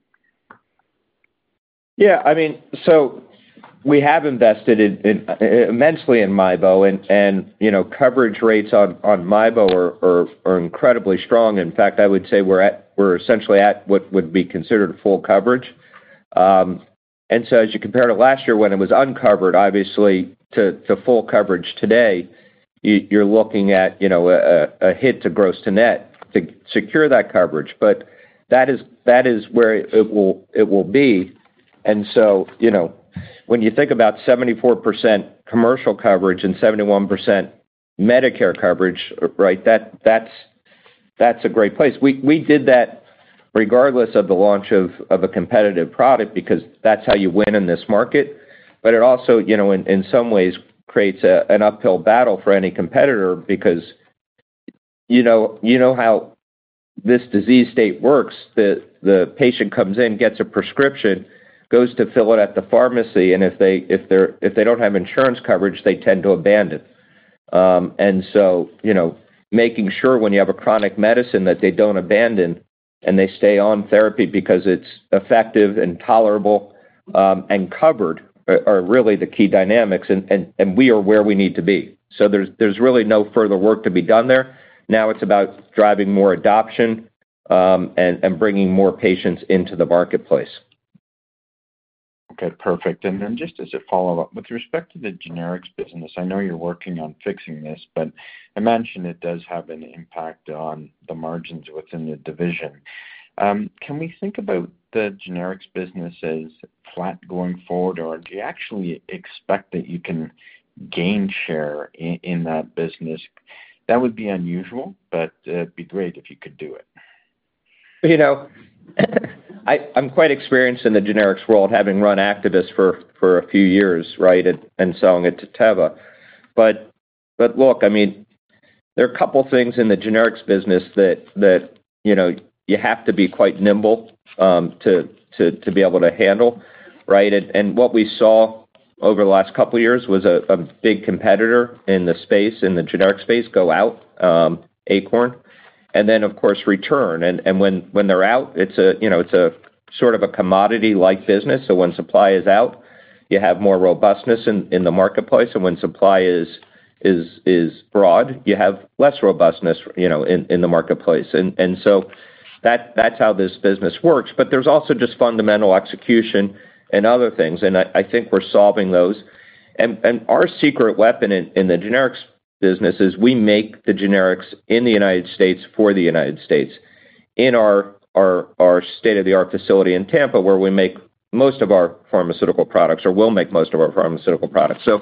Yeah. I mean, so we have invested immensely in MIBO and and, you know, coverage rates on on MIBO are are are incredibly strong. In fact, I would say we're at we're essentially at what would be considered full coverage. And so as you compare to last year when it was uncovered, obviously, to full coverage today, you're looking at a hit to gross to net to secure that coverage. But that is where it will be. And so, you know, when you think about 74% commercial coverage and 71% Medicare coverage, right, That's a great place. We did that regardless of the launch of a competitive product, because that's how you win in this market. But it also, you know, in some ways creates an uphill battle for any competitor, because you know how this disease state works, the patient comes in, gets a prescription, goes to fill it at the pharmacy, and if they don't have insurance coverage, they tend to abandon. And so, you know, making sure when you have a chronic medicine that they don't abandon, and they stay on therapy because it's effective and tolerable, and covered are really the key dynamics and we are where we need to be. So there's really no further work to be done there. Now it's about driving more adoption, and bringing more patients into the marketplace. Okay, perfect. And then just as a follow-up with respect to the generics business, I know you're working on fixing this, but I mentioned it does have an impact on the margins within the division. Can we think about the generics business as flat going forward? Or do you actually expect that you can gain share in that business? That would be unusual, but it'd be great if you could do it. You know, I'm quite experienced in the generics world having run Activist for a few years, right, and selling it to Teva. But look, I mean, there are a couple of things in the generics business that you have to be quite nimble to be able to handle, right. And what we saw over the last couple of years was a big competitor in the space, in the generic space go out, Acorn, and then of course return. And when they're out, it's sort of a commodity like business. So when supply is out, you have more robustness in the marketplace. And when supply is broad, you have less robustness in the marketplace. And so that's how this business works. But there's also just fundamental execution and other things. And I think we're solving those. And our secret weapon in the generics business is we make the generics in The United States for The United States, in our state of the art facility in Tampa, where we make most of our pharmaceutical products or will make most of our pharmaceutical products. So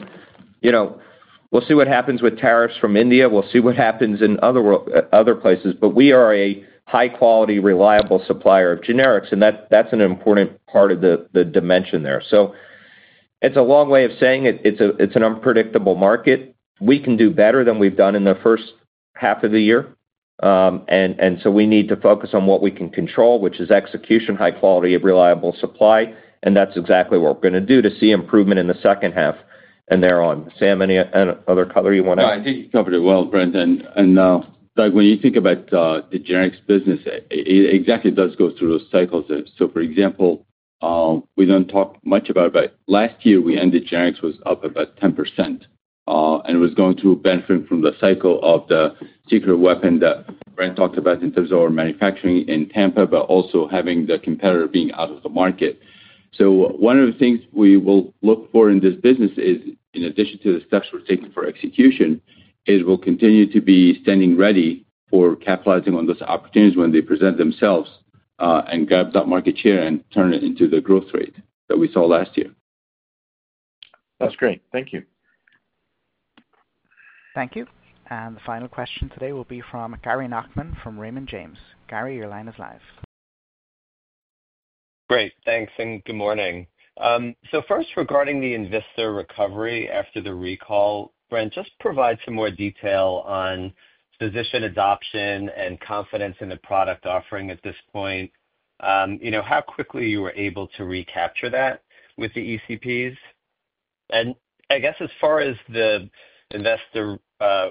we'll see what happens with tariffs from India. We'll see what happens in other places. But we are a high quality reliable supplier of generics and that's an important part of the dimension there. So it's a long way of saying it's an unpredictable market. We can do better than we've done in the first half of the year. And so we need to focus on what we can control, which is execution, high quality of reliable supply. And that's exactly what we're going to do to see improvement in the second half and thereon. Sam, any other color you want to add? No, I think you covered it well, Brent. And Doug, when you think about the generics business, it exactly does go through those cycles. So for example, we don't talk much about it, last year we ended generics was up about 10%, and it was going to benefit from the cycle of the secret weapon that Brent talked about in terms of our manufacturing in Tampa, but also having the competitor being out of the market. So one of the things we will look for in this business is in addition to the steps we're taking for execution, is we'll continue to be standing ready for capitalizing on those opportunities when they present themselves, and grab that market share and turn it into the growth rate that we saw last year. That's great. Thank you. Thank you. And the final question today will be from Gary Nachman from Raymond James. Gary, your line is live. Great. Thanks, and good morning. So first, regarding the Envisa recovery after the recall, Brent, just provide some more detail on physician adoption and confidence in the product offering at this point, how quickly you were able to recapture that with the ECPs? And I guess as far as the investor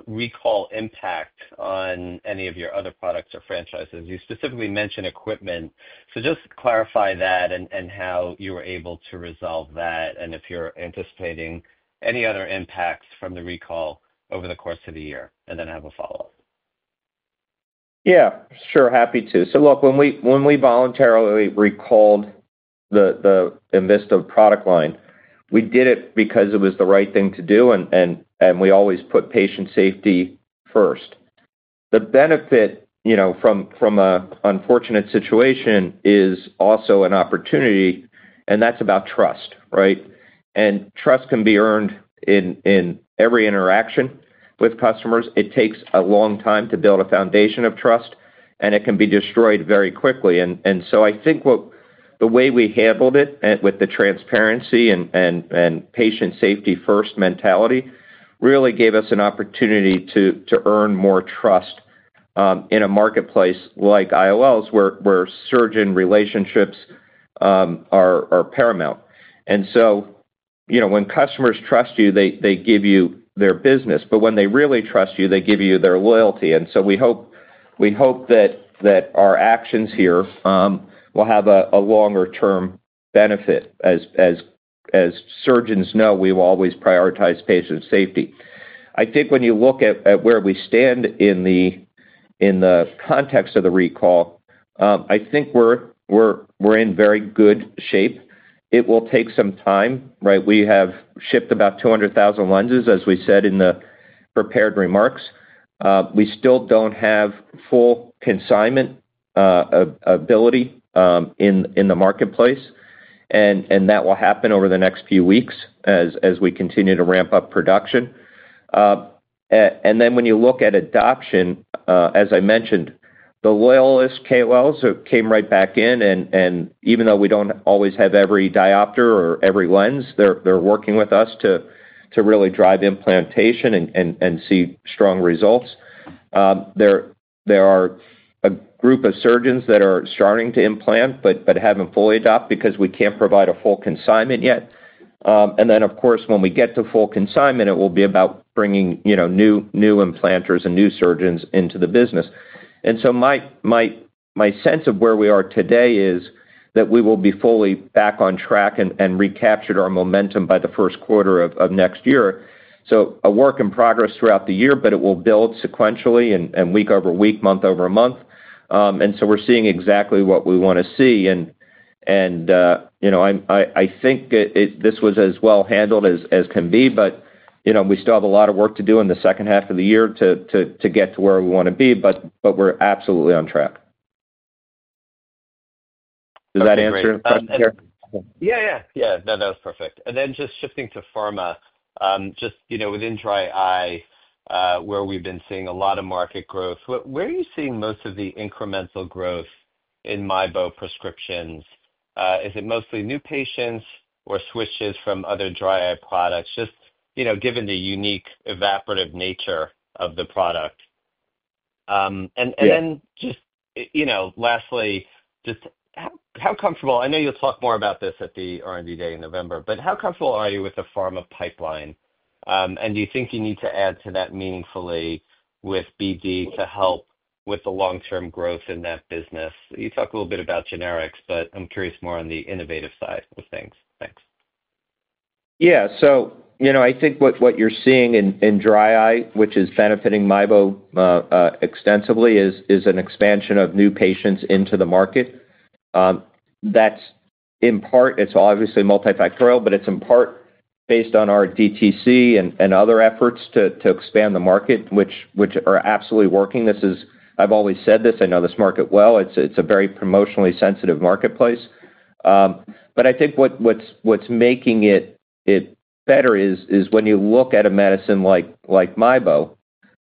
recall impact on any of your other products or franchises, you specifically mentioned equipment. So just clarify that and how you were able to resolve that and if you're anticipating any other impacts from the recall over the course of the year? And then I have a follow-up. Yes, sure. Happy to. So look, when we voluntarily recalled Envista product line, we did it because it was the right thing to do and we always put patient safety first. The benefit from an unfortunate situation is also an opportunity. And that's about trust, right? And trust can be earned in every interaction with customers. It takes a long time to build a foundation of trust, and it can be destroyed very quickly. And so I think what the way we handled it with the transparency and patient safety first mentality really gave us an opportunity to earn more trust in a marketplace like IOLs where surgeon relationships are paramount. And when customers trust you, they give you their business, but when they really trust you, they give you their loyalty. And so we hope that our actions here will have a longer term benefit. As surgeons know, we will always prioritize patient safety. I think when you look at where we stand in the context of the recall, I think we're in very good shape. It will take some time, right? We have shipped about 200,000 lenses, as we said in the prepared remarks. We still don't have full consignment ability in the marketplace. And that will happen over the next few weeks as we continue to ramp up production. And then when you look at adoption, as I mentioned, the loyalist KOLs came right back in and even though we don't always have every diopter or every lens, they're working with us to really drive implantation and see strong results. There are a group of surgeons that are starting to implant, but haven't fully adopted because we can't provide a full consignment yet. And then of course, when we get to full consignment, it will be about bringing new implanters and new surgeons into the business. And so sense of where we are today is that we will be fully back on track and recaptured our momentum by the first quarter of next year. So a work in progress throughout the year, but it will build sequentially and week over week, month over month. And so we're seeing exactly what we want to see. And I think this was as well handled as can be, but we still have a lot of work to do in the second half of the year to get to where we want to be, but we're absolutely on track. Does that answer? Yeah, yeah, that was perfect. And then just shifting to pharma, just within dry eye, where we've been seeing a lot of market growth, where are you seeing most of the incremental growth in MyBo prescriptions? Is it mostly new patients or switches from other dry eye products? Just, you know, given the unique evaporative nature of the product. And then just, you know, lastly, just how comfortable I know you'll talk more about this at the R and D Day in November, but how comfortable are you with the pharma pipeline? And do you think you need to add to that meaningfully with BD to help with the long term growth in that business? You talked a little bit about generics, but I'm curious more on the innovative side of things. Thanks. Yes. So, I think what you're seeing in dry eye, which is benefiting extensively is an expansion of new patients into the market. That's in part, it's obviously multifactorial, but it's in part based on our DTC and other efforts to expand the market, are absolutely working. This is I've always said this. I know this market well. It's it's a very promotionally sensitive marketplace. But I think what what's what's making it it better is is when you look at a medicine like like MIBO,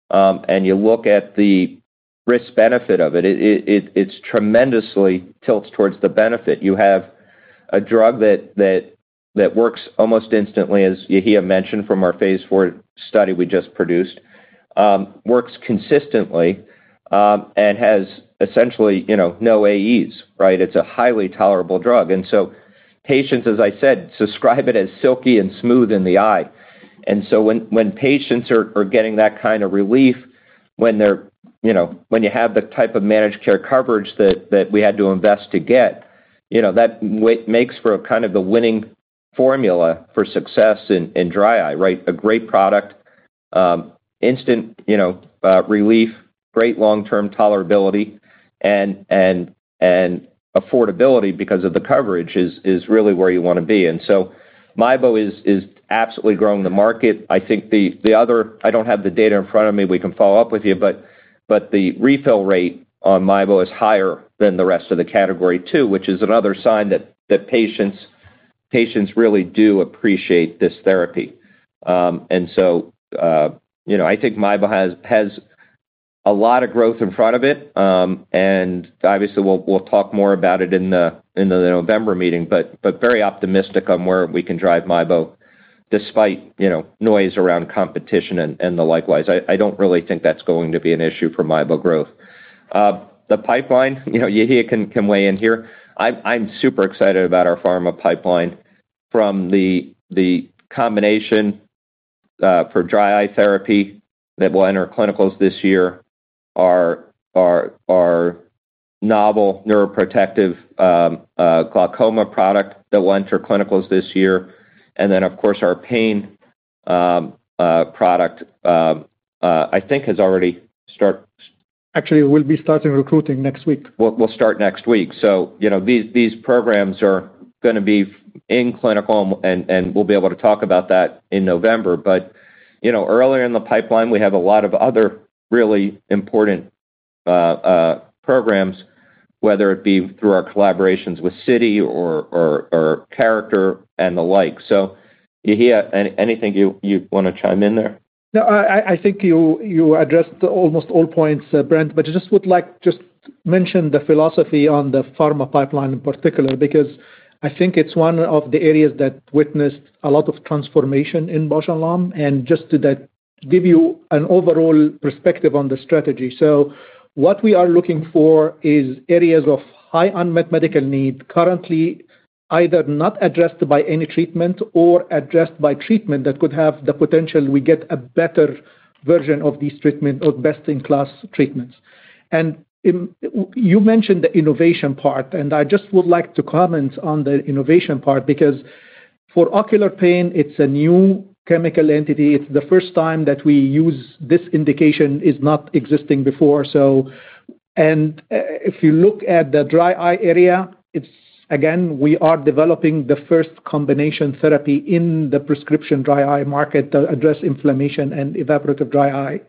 and you look at the risk benefit of it, it tremendously tilts towards the benefit. You have a drug that works almost instantly, as Yahiya mentioned from our phase four study we just produced, works consistently and has essentially no AEs, right? It's a highly tolerable drug. And so patients, as I said, subscribe it as silky and smooth in the eye. And so when patients are getting that kind of relief, when you have the type of managed care coverage that we had to invest to get, that makes for a kind of the winning formula for success in dry eye, right? A great product, instant relief, great long term tolerability and affordability because of the coverage is really where you want to be. And so MIBO is absolutely growing the market. I think the other, I don't have the data in front of me, we can follow-up with you, the refill rate on MIBO is higher than the rest of the category too, which is another sign that patients really do appreciate this therapy. And so I think MyBo has a lot of growth in front of it. And obviously, we'll talk more about it in the November meeting, very optimistic on where we can drive MyBo despite noise around competition and the likewise. I don't really think that's going to be an issue for Mybo growth. The pipeline, Yahya can weigh in here. I'm super excited about our pharma pipeline from the combination for dry eye therapy that will enter clinicals this year, our novel neuroprotective glaucoma product that will enter clinicals this year, And then of course, our pain product, I think has already start Actually, we'll be starting recruiting next week. We'll start next week. So, you know, these programs are going to be in clinical and we'll be able to talk about that in November. But earlier in the pipeline, we have a lot of other really important programs, whether it be through our collaborations with Citi or Character and the like. So Yehiya, anything you want to chime in there? No, I think you addressed almost all points, Brent. But I just would like just mention the philosophy on the pharma pipeline in particular, because I think it's one of the areas that witnessed a lot of transformation in Bausch And Lomb, and just to that give you an overall perspective on the strategy. So what we are looking for is areas of high unmet medical need currently either not addressed by any treatment or addressed by treatment that could have the potential we get a better version of these treatment or best in class treatments. And you mentioned the innovation part, and I just would like to comment on the innovation part, because for ocular pain, it's a new chemical entity. It's the first time that we use this indication is not existing before. So and if you look at the dry eye area, it's again, we are developing the first combination therapy in the prescription dry eye market to address inflammation and evaporative dry eye.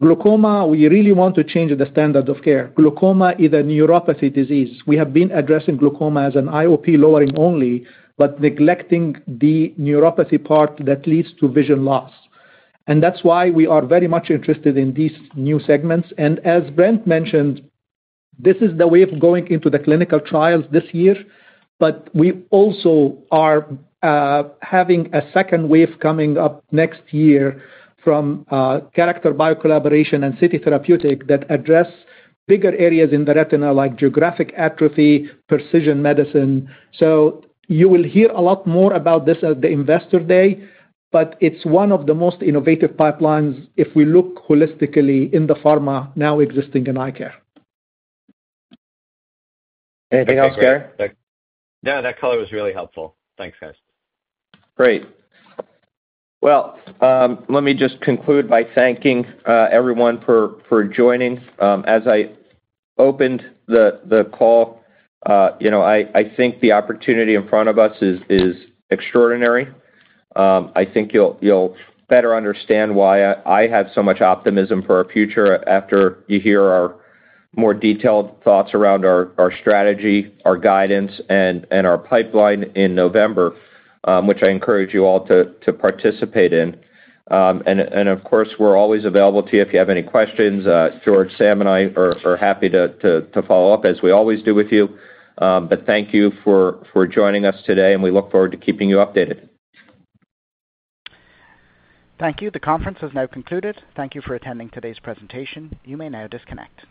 Glaucoma, we really want to change the standard of care. Glaucoma is a neuropathy disease. We have been addressing glaucoma as an IOP lowering only, but neglecting the neuropathy part that leads to vision loss. And that's why we are very much interested in these new segments. And as Brent mentioned, this is the way of going into the clinical trials this year, but we also are having a second wave coming up next year from Character Bio collaboration and Citi Therapeutic that address bigger areas in the retina like geographic atrophy, precision medicine. So you will hear a lot more about this at the Investor Day, but it's one of the most innovative pipelines if we look holistically in the pharma now existing in eye care. Anything else, Gary? No, that color was really helpful. Thanks, guys. Great. Well, let me just conclude by thanking everyone for joining. As I opened the call, I think the opportunity in front of us is extraordinary. I think you'll better understand why I have so much optimism for our future after you hear our more detailed thoughts around our strategy, our guidance and our pipeline in November, which I encourage you all to participate in. And of course, we're always available to you if you have any questions. George, Sam and I are happy to follow-up as we always do with you. But thank you for joining us today and we look forward to keeping you updated. Thank you. The conference has now concluded. Thank you for attending today's presentation. You may now disconnect.